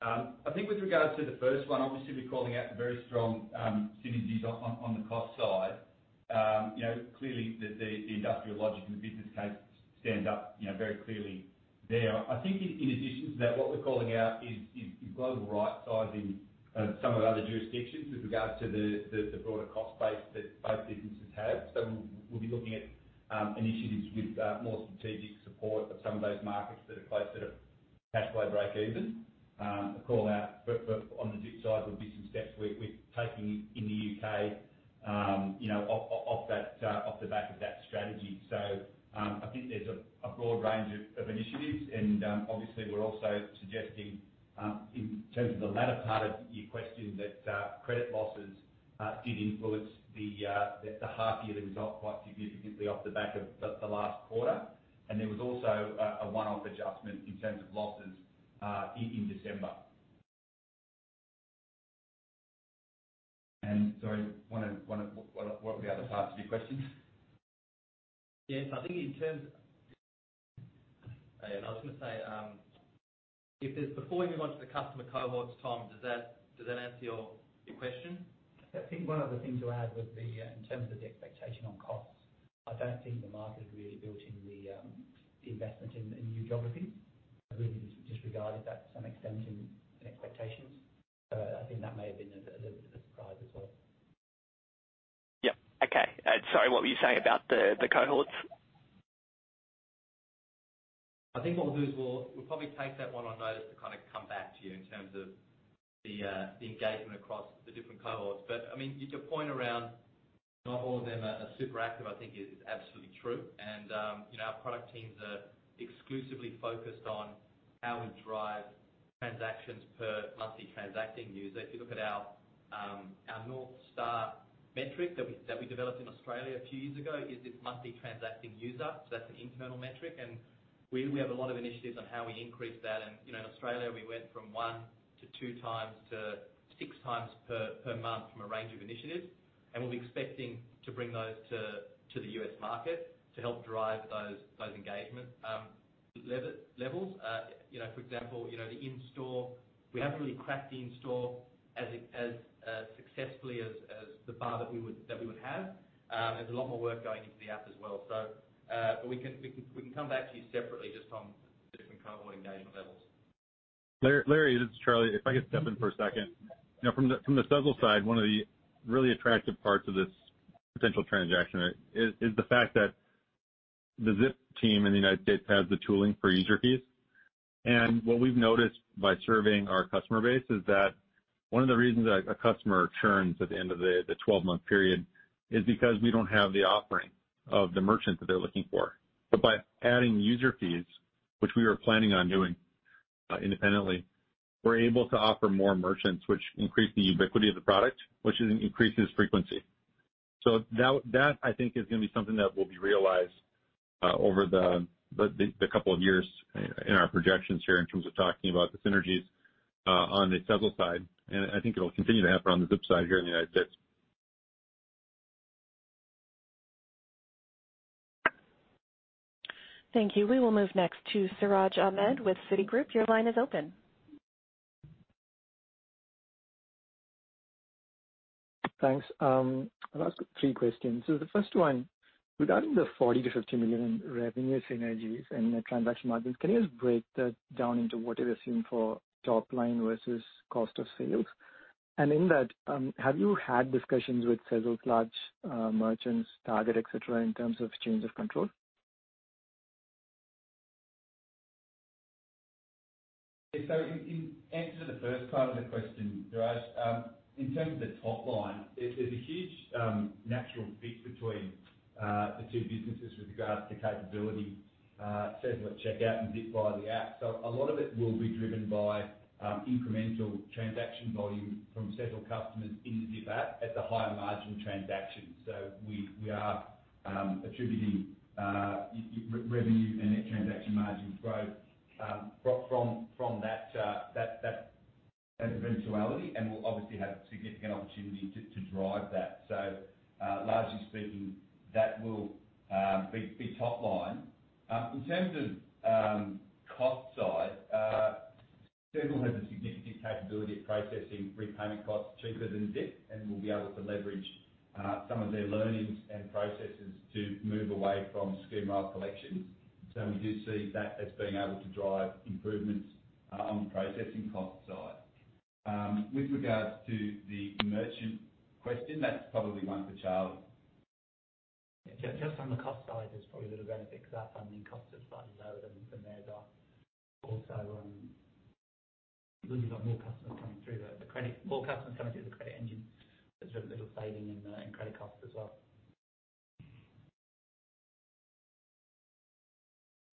I think with regards to the first one, obviously, we're calling out the very strong synergies on the cost side. You know, clearly the industrial logic and the business case stand up, you know, very clearly there. I think in addition to that, what we're calling out is global right-sizing of some of the other jurisdictions with regards to the broader cost base that both businesses have. We'll be looking at initiatives with more strategic support of some of those markets that are close to cashflow breakeven. A call out for... on the Zip side would be some steps we're taking in The U.K., you know, off the back of that strategy. I think there's a broad range of initiatives and, obviously, we're also suggesting, in terms of the latter part of your question, that credit losses did influence the half year result quite significantly off the back of the last quarter. There was also a one-off adjustment in terms of losses in December. Sorry, one of. What were the other parts of your question? Yes, I think in terms. I was gonna say, if there's before we move on to the customer cohorts, Tom, does that answer your question? I think one other thing to add with the in terms of the expectation on costs. I don't think the market had really built in the investment in new geographies. They have really disregarded that to some extent in expectations. I think that may have been a surprise as well. Yep. Okay. Sorry, what were you saying about the cohorts? I think what we'll do is we'll probably take that one on notice to kinda come back to you in terms of the engagement across the different cohorts. I mean, your point around not all of them are super active, I think is absolutely true. You know, our product teams are exclusively focused on how we drive transactions per monthly transacting user. If you look at our North Star metric that we developed in Australia a few years ago, is this monthly transacting user. So that's an internal metric, and we have a lot of initiatives on how we increase that. You know, in Australia, we went from one to two times to six times per month from a range of initiatives. We'll be expecting to bring those to The U.S. market to help drive those engagement levels. You know, for example, you know the in-store, we haven't really cracked the in-store as successfully as the bar that we would have. There's a lot more work going into the app as well. We can come back to you separately just on the different cohort engagement levels. Larry, this is Charlie. If I could step in for a second. You know, from the Sezzle side, one of the really attractive parts of this potential transaction is the fact that the Zip team in the United States has the tooling for user fees. What we've noticed by serving our customer base is that one of the reasons that a customer churns at the end of the twelve-month period is because we don't have the offering of the merchant that they're looking for. By adding user fees, which we were planning on doing independently, we're able to offer more merchants, which increase the ubiquity of the product, which increases frequency. That I think is gonna be something that will be realized over the couple of years in our projections here in terms of talking about the synergies on the Sezzle side, and I think it'll continue to happen on the Zip side here in the United States. Thank you. We will move next to Siraj Ahmed with Citigroup. Your line is open. Thanks. I'll ask three questions. The first one: regarding the 40 million-50 million revenue synergies and the transaction margins, can you just break that down into what you're seeing for top line versus cost of sales? In that, have you had discussions with Sezzle's large merchants, Target, et cetera, in terms of change of control? In answer to the first part of the question, Siraj, in terms of the top line, there's a huge natural fit between the two businesses with regards to capability. Sezzle at checkout and Zip via the app. A lot of it will be driven by incremental transaction volume from Sezzle customers in the Zip app at the higher margin transactions. We are attributing revenue and net transaction margins growth from that eventuality, and we'll obviously have significant opportunity to drive that. Largely speaking, that will be top line. In terms of cost side, Sezzle has a significant capability of processing repayment costs cheaper than Zip, and we'll be able to leverage some of their learnings and processes to move away from scheme file collection. We do see that as being able to drive improvements on the processing cost side. With regards to the merchant question, that's probably one for Charlie. Yeah. Just on the cost side, there's probably a little benefit because our funding costs are slightly lower than theirs are. Also, clearly we've got more customers coming through the credit engine. There's a little saving in credit costs as well.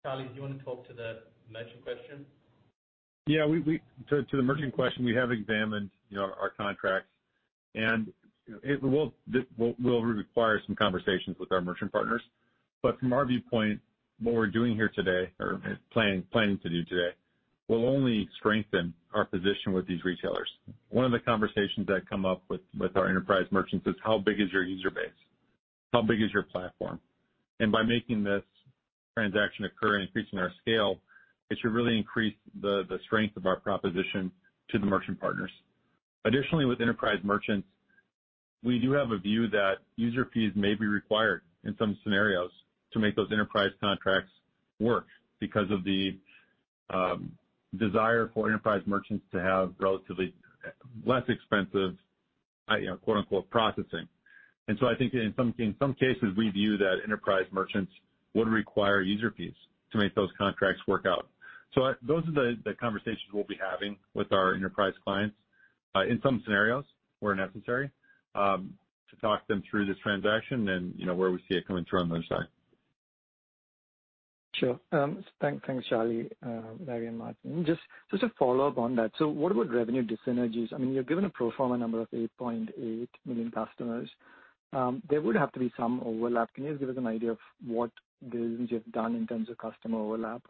Charlie, do you wanna talk to the merchant question? Yeah. To the merchant question, we have examined, you know, our contracts and it will require some conversations with our merchant partners. From our viewpoint, what we're doing here today or planning to do today will only strengthen our position with these retailers. One of the conversations that come up with our enterprise merchants is how big is your user base? How big is your platform? By making this transaction occur, increasing our scale, it should really increase the strength of our proposition to the merchant partners. Additionally, with enterprise merchants, we do have a view that user fees may be required in some scenarios to make those enterprise contracts work because of the desire for enterprise merchants to have relatively less expensive, you know, quote-unquote, "processing." I think in some cases, we view that enterprise merchants would require user fees to make those contracts work out. Those are the conversations we'll be having with our enterprise clients in some scenarios where necessary to talk them through this transaction and, you know, where we see it coming through on their side. Sure. Thanks, Charlie, Larry, and Martin. Just to follow up on that, what about revenue dissynergies? I mean, you've given a pro forma number of 8.8 million customers. There would have to be some overlap. Can you just give us an idea of what business you've done in terms of customer overlap?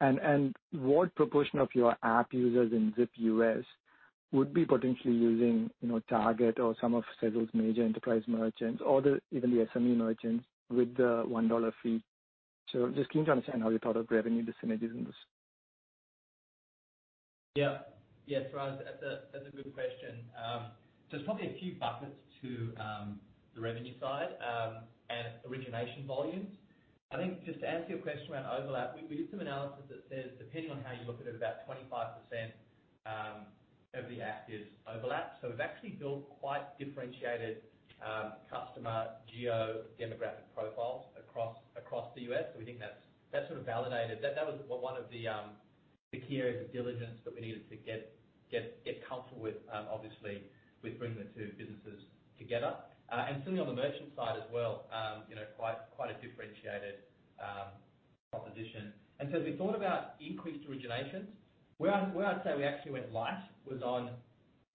And what proportion of your app users in Zip US would be potentially using, you know, Target or some of Sezzle's major enterprise merchants or even the SME merchants with the $1 fee. Just keen to understand how you thought of revenue dissynergies in this. Yes, Siraj, that's a good question. There's probably a few buckets to the revenue side and origination volumes. I think just to answer your question around overlap, we did some analysis that says, depending on how you look at it, about 25% of the app is overlap. So we've actually built quite differentiated customer geodemographic profiles across The U.S. So we think that's sort of validated. That was one of the key areas of diligence that we needed to get comfortable with, obviously, with bringing the two businesses together. And similarly on the merchant side as well, you know, quite a differentiated proposition. So as we thought about increased originations, where I'd say we actually went light was on...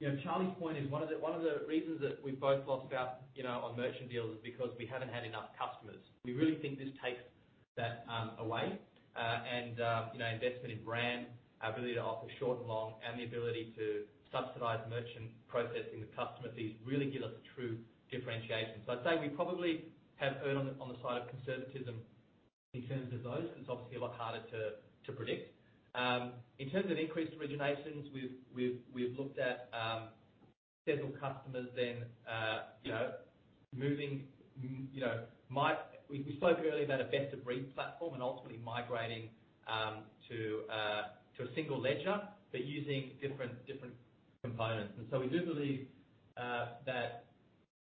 You know, Charlie's point is one of the reasons that we both lost our, you know, our merchant deal is because we haven't had enough customers. We really think this takes that away. You know, investment in brand, ability to offer short and long, and the ability to subsidize merchant processing with customer fees really give us true differentiation. I'd say we probably have erred on the side of conservatism in terms of those. It's obviously a lot harder to predict. In terms of increased originations, we've looked at Sezzle customers then, you know, moving, you know, we spoke earlier about a best of breed platform and ultimately migrating to a single ledger, but using different components. We do believe that,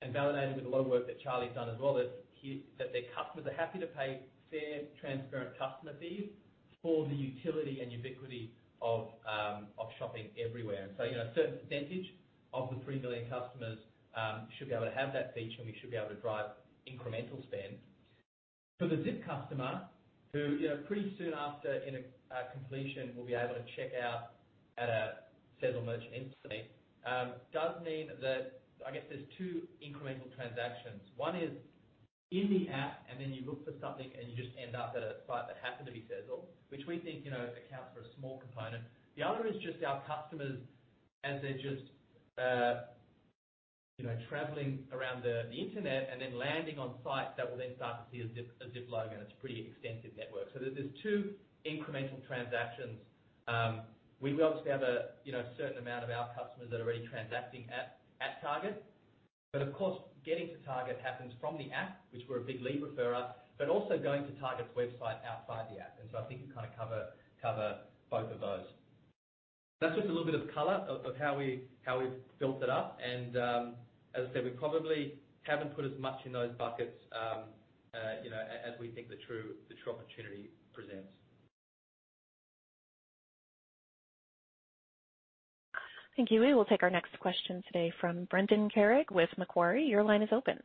and validated with a lot of work that Charlie's done as well, that their customers are happy to pay fair, transparent customer fees for the utility and ubiquity of shopping everywhere. You know, a certain percentage of the 3 million customers should be able to have that feature, and we should be able to drive incremental spend. For the Zip customer, who, you know, pretty soon after in a completion, will be able to check out at a Sezzle merchant instantly, does mean that, I guess there's two incremental transactions. One is in the app, and then you look for something, and you just end up at a site that happened to be Sezzle, which we think, you know, accounts for a small component. The other is just our customers as they're just, you know, traveling around the internet and then landing on sites that will then start to see a Zip logo, and it's a pretty extensive network. There's two incremental transactions. We obviously have a, you know, certain amount of our customers that are already transacting at Target. Of course, getting to Target happens from the app, which we're a big lead referrer, but also going to Target's website outside the app. I think you kind of cover both of those. That's just a little bit of color of how we've built it up. As I said, we probably haven't put as much in those buckets, you know, as we think the true opportunity presents. Thank you. We will take our next question today from Brendan Carrig with Macquarie. Your line is open.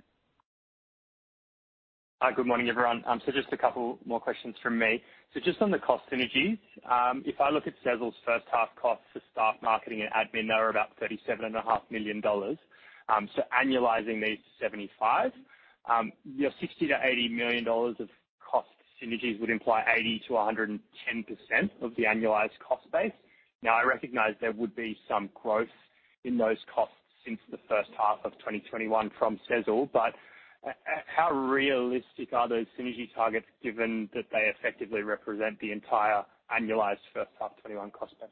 Hi. Good morning, everyone. Just a couple more questions from me. Just on the cost synergies, if I look at Sezzle's first half costs for staff, marketing, and admin, they were about 37.5 million dollars. Annualizing these to 75, your 60 million-80 million dollars of cost synergies would imply 80%-110% of the annualized cost base. Now, I recognize there would be some growth in those costs since the first half of 2021 from Sezzle, but how realistic are those synergy targets given that they effectively represent the entire annualized first half 2021 cost base?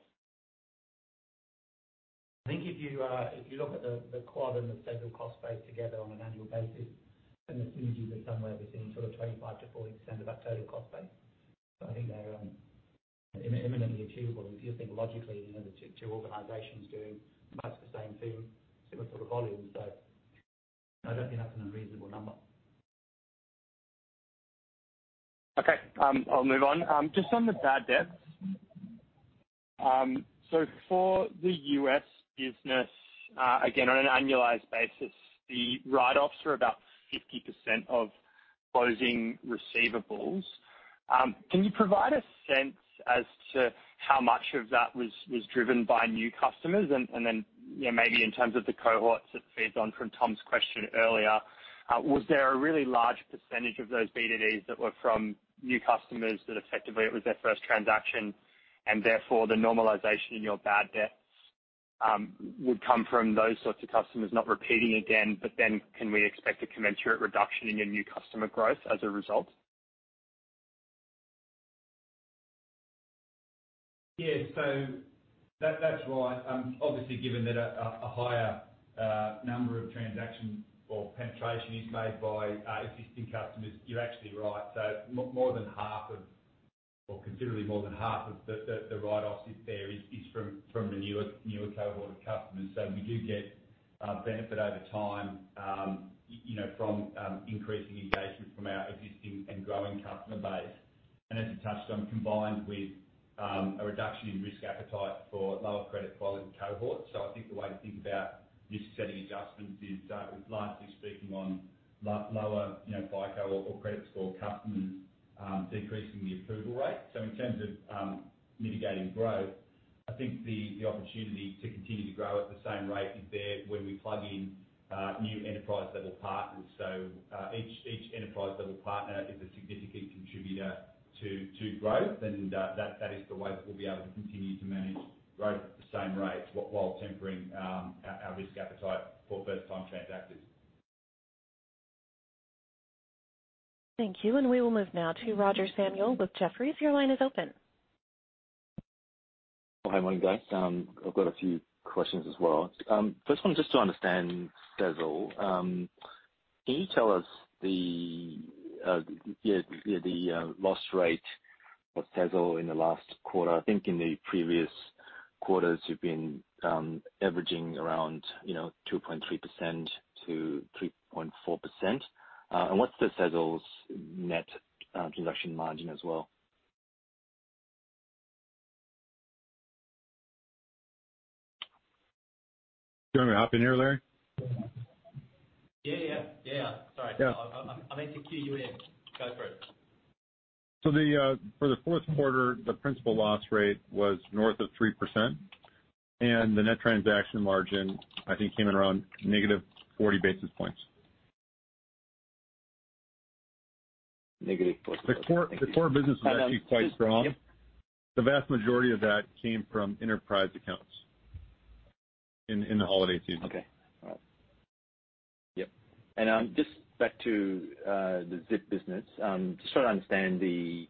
I think if you, if you look at the Quadpay and the Sezzle cost base together on an annual basis, then the synergies are somewhere between sort of 25%-40% of that total cost base. I think they're imminently achievable. If you think logically, you know, the two organizations doing much the same thing, similar sort of volumes. I don't think that's an unreasonable number. Okay. I'll move on. Just on the bad debts. For the U.S. business, again, on an annualized basis, the write-offs are about 50% of closing receivables. Can you provide a sense as to how much of that was driven by new customers? Then, yeah, maybe in terms of the cohorts it feeds on from Tom's question earlier. Was there a really large percentage of those BDDs that were from new customers that effectively it was their first transaction, and therefore, the normalization in your bad debts would come from those sorts of customers not repeating again? Can we expect a commensurate reduction in your new customer growth as a result? Yeah. That, that's right. Obviously, given that a higher number of transactions or penetration is made by existing customers, you're actually right. More than half of or considerably more than half of the write-offs there is from the newer cohort of customers. We do get benefit over time, you know, from increasing engagement from our existing and growing customer base, as you touched on, combined with a reduction in risk appetite for lower credit quality cohorts. I think the way to think about risk-setting adjustments is, largely speaking on lower, you know, FICO or credit score customers, decreasing the approval rate. In terms of mitigating growth, I think the opportunity to continue to grow at the same rate is there when we plug in new enterprise-level partners. Each enterprise-level partner is a significant contributor to growth. That is the way that we'll be able to continue to manage growth at the same rate while tempering our risk appetite for first-time transactors. Thank you. We will move now to Roger Samuel with Jefferies. Your line is open. Oh, hi. Morning, guys. I've got a few questions as well. First one, just to understand Sezzle. Can you tell us the loss rate for Sezzle in the last quarter? I think in the previous quarters, you've been averaging around, you know, 2.3%-3.4%. And what's Sezzle's net transaction margin as well? Do you want me to hop in here, Larry? Yeah. I meant to cue you in. Go for it. For the fourth quarter, the principal loss rate was north of 3%, and the net transaction margin, I think, came in around negative 40 basis points. Negative 40 basis- The core business was actually quite strong. Yeah. The vast majority of that came from enterprise accounts in the holiday season. Okay. All right. Yep. Just back to the Zip business. Just trying to understand the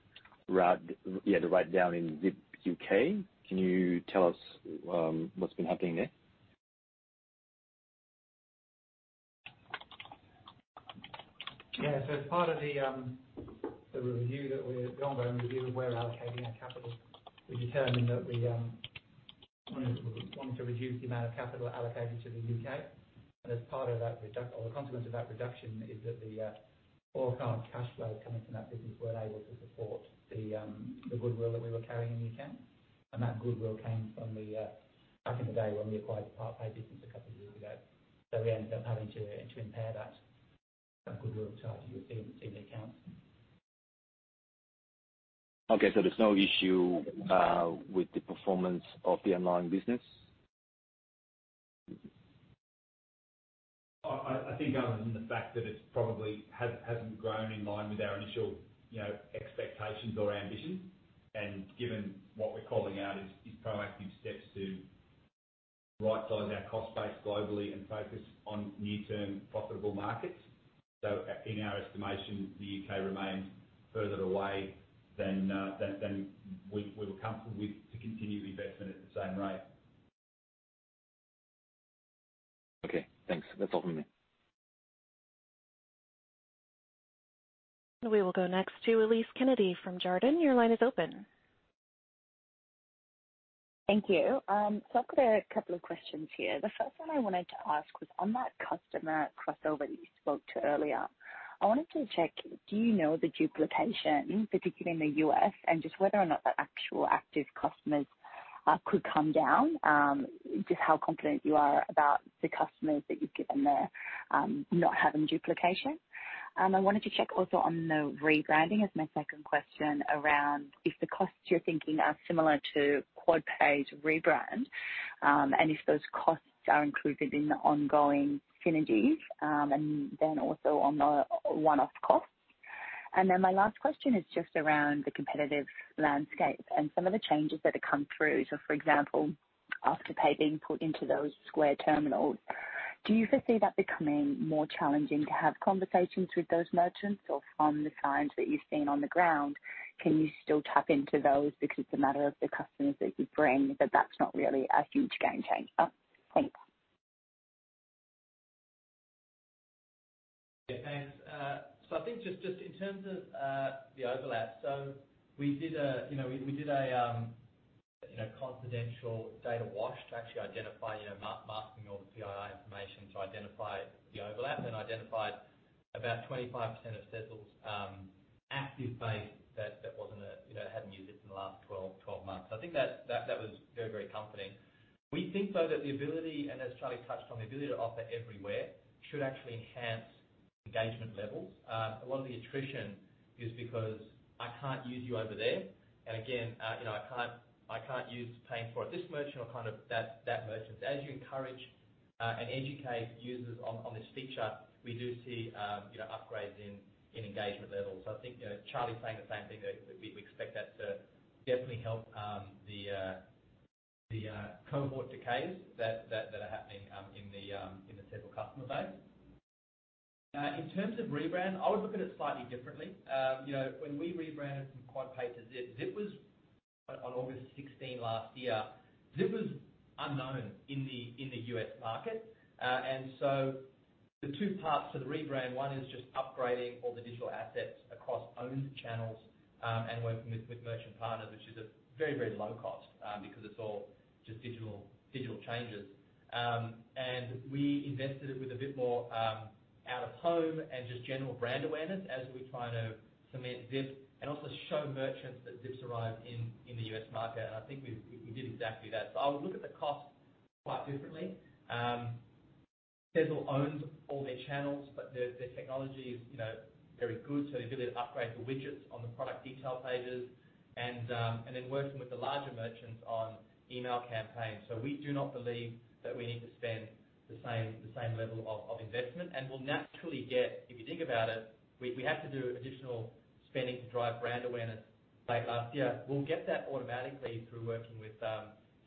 write-down in Zip U.K. Can you tell us what's been happening there? Yeah. As part of the ongoing review of where we're allocating our capital, we determined that we wanted to reduce the amount of capital allocated to The U.K. As part of that reduction or the consequence of that reduction is that all current cash flows coming from that business weren't able to support the goodwill that we were carrying in the account. That goodwill came from back in the day when we acquired the PartPay business a couple of years ago. We ended up having to impair that goodwill charge you'll see in the accounts. Okay. There's no issue with the performance of the online business? I think other than the fact that it's probably hasn't grown in line with our initial, you know, expectations or ambition, and given what we're calling out is proactive steps to right-size our cost base globally and focus on near-term profitable markets. In our estimation, The U.K. remains further away than we were comfortable with to continue investment at the same rate. Okay, thanks. That's all from me. We will go next to Elise Kennedy from Jarden. Your line is open. Thank you. I've got a couple of questions here. The first one I wanted to ask was on that customer crossover that you spoke to earlier. I wanted to check, do you know the duplication, particularly in The U.S., and just whether or not the actual active customers could come down? Just how confident you are about the customers that you've given there not having duplication. I wanted to check also on the rebranding as my second question around if the costs you're thinking are similar to Quadpay's rebrand, and if those costs are included in the ongoing synergies, and then also on the one-off costs. My last question is just around the competitive landscape and some of the changes that have come through. For example, Afterpay being put into those Square terminals. Do you foresee that becoming more challenging to have conversations with those merchants? Or from the signs that you've seen on the ground, can you still tap into those because it's a matter of the customers that you bring, but that's not really a huge game changer? Thanks. Yeah, thanks. I think just in terms of the overlap. We did a, you know, confidential data wash to actually identify, you know, masking all the PII information to identify the overlap. Identified about 25% of Sezzle's active base that was- In the last 12 months. I think that was very comforting. We think though that, and as Charlie touched on, the ability to offer everywhere should actually enhance engagement levels. A lot of the attrition is because I can't use you over there. Again, you know, I can't use Pay in 4 at this merchant or kind of that merchant. As you encourage and educate users on this feature, we do see, you know, upgrades in engagement levels. I think, you know, Charlie's saying the same thing, that we expect that to definitely help the cohort decays that are happening in the Sezzle customer base. In terms of rebrand, I would look at it slightly differently. You know, when we rebranded from Quadpay to Zip was on August 16 last year. Zip was unknown in the US market. The two parts to the rebrand, one is just upgrading all the digital assets across owned channels, and working with merchant partners, which is a very low cost, because it's all just digital changes. We invested in it with a bit more out-of-home and just general brand awareness as we try to cement Zip and also show merchants that Zip's arrived in the US market. I think we did exactly that. I would look at the cost quite differently. Sezzle owns all their channels, but their technology is, you know, very good, so the ability to upgrade the widgets on the product detail pages and then working with the larger merchants on email campaigns. We do not believe that we need to spend the same level of investment. We'll naturally get, if you think about it, we have to do additional spending to drive brand awareness late last year. We'll get that automatically through working with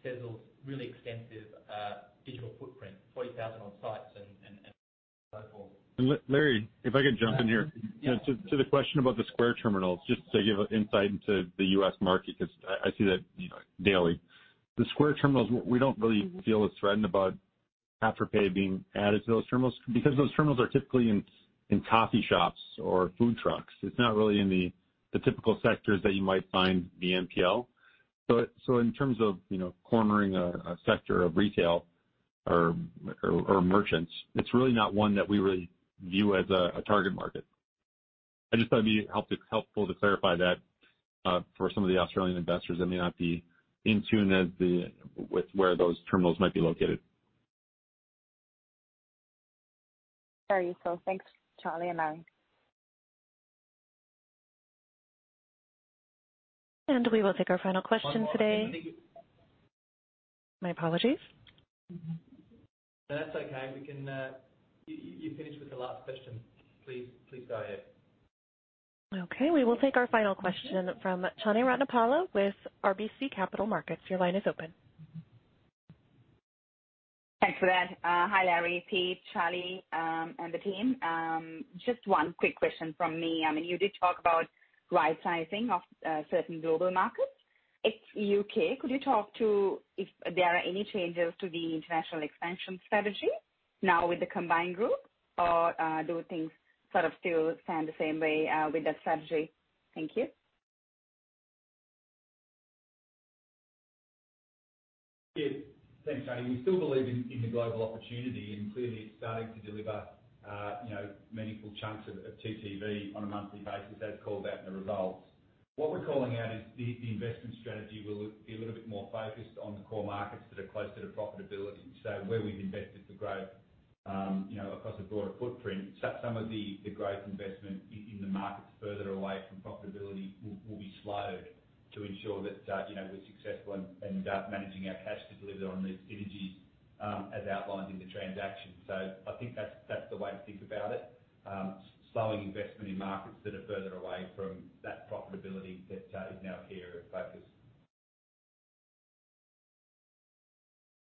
Sezzle's really extensive digital footprint, 40,000-odd sites and so forth. Larry, if I could jump in here. Yeah. To the question about the Square terminals, just to give an insight into the US market, because I see that, you know, daily. The Square terminals, we don't really feel as threatened about Afterpay being added to those terminals because those terminals are typically in coffee shops or food trucks. It's not really in the typical sectors that you might find BNPL. So in terms of, you know, cornering a sector of retail or merchants, it's really not one that we really view as a target market. I just thought it'd be helpful to clarify that for some of the Australian investors that may not be in tune with where those terminals might be located. There you go. Thanks, Charlie and Larry. We will take our final question today. One more. My apologies. No, that's okay. We can. You finished with the last question. Please go ahead. Okay. We will take our final question from Chami Ratnapala with RBC Capital Markets. Your line is open. Thanks for that. Hi, Larry, Pete, Charlie, and the team. Just one quick question from me. I mean, you did talk about right sizing of certain global markets. Ex U.K., could you talk to if there are any changes to the international expansion strategy now with the combined group, or do things sort of still stand the same way with that strategy? Thank you. Yeah. Thanks, Chami. We still believe in the global opportunity, and clearly it's starting to deliver, you know, meaningful chunks of TTV on a monthly basis, as called out in the results. What we're calling out is the investment strategy will be a little bit more focused on the core markets that are closer to profitability. Where we've invested for growth across a broader footprint, some of the growth investment in the markets further away from profitability will be slowed to ensure that, you know, we're successful in managing our cash to deliver on these synergies, as outlined in the transaction. I think that's the way to think about it. Slowing investment in markets that are further away from that profitability that is now clearer in focus.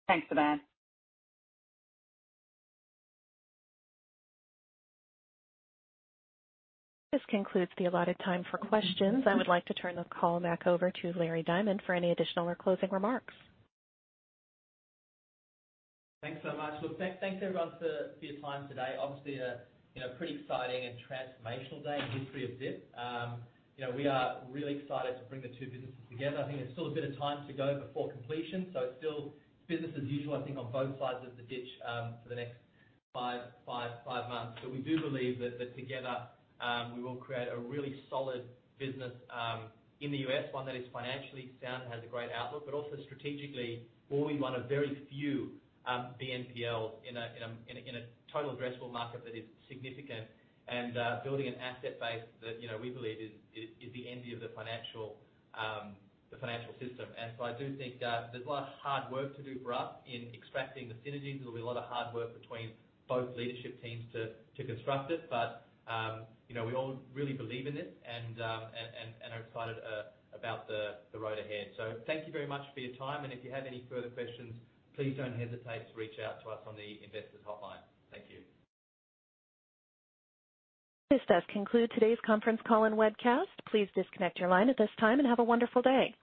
Thanks for that. This concludes the[a lot of]time for questions. I would like to turn the call back over to Larry Diamond for any additional or closing remarks. Thanks so much. Look, thanks everyone for your time today. Obviously pretty exciting and transformational day in the history of Zip. We are really excited to bring the two businesses together. I think there's still a bit of time to go before completion, so it's still business as usual, I think, on both sides of the ditch, for the next five months. We do believe that together, we will create a really solid business, in The U.S., one that is financially sound and has a great outlook, but also strategically, we're one of very few, BNPL in a total addressable market that is significant and, building an asset base that, you know, we believe is the envy of the financial, the financial system. I do think there's a lot of hard work to do for us in extracting the synergies. There'll be a lot of hard work between both leadership teams to construct it. You know, we all really believe in it and are excited about the road ahead. Thank you very much for your time, and if you have any further questions, please don't hesitate to reach out to us on the investors hotline. Thank you. This does conclude today's conference call and webcast. Please disconnect your line at this time and have a wonderful day.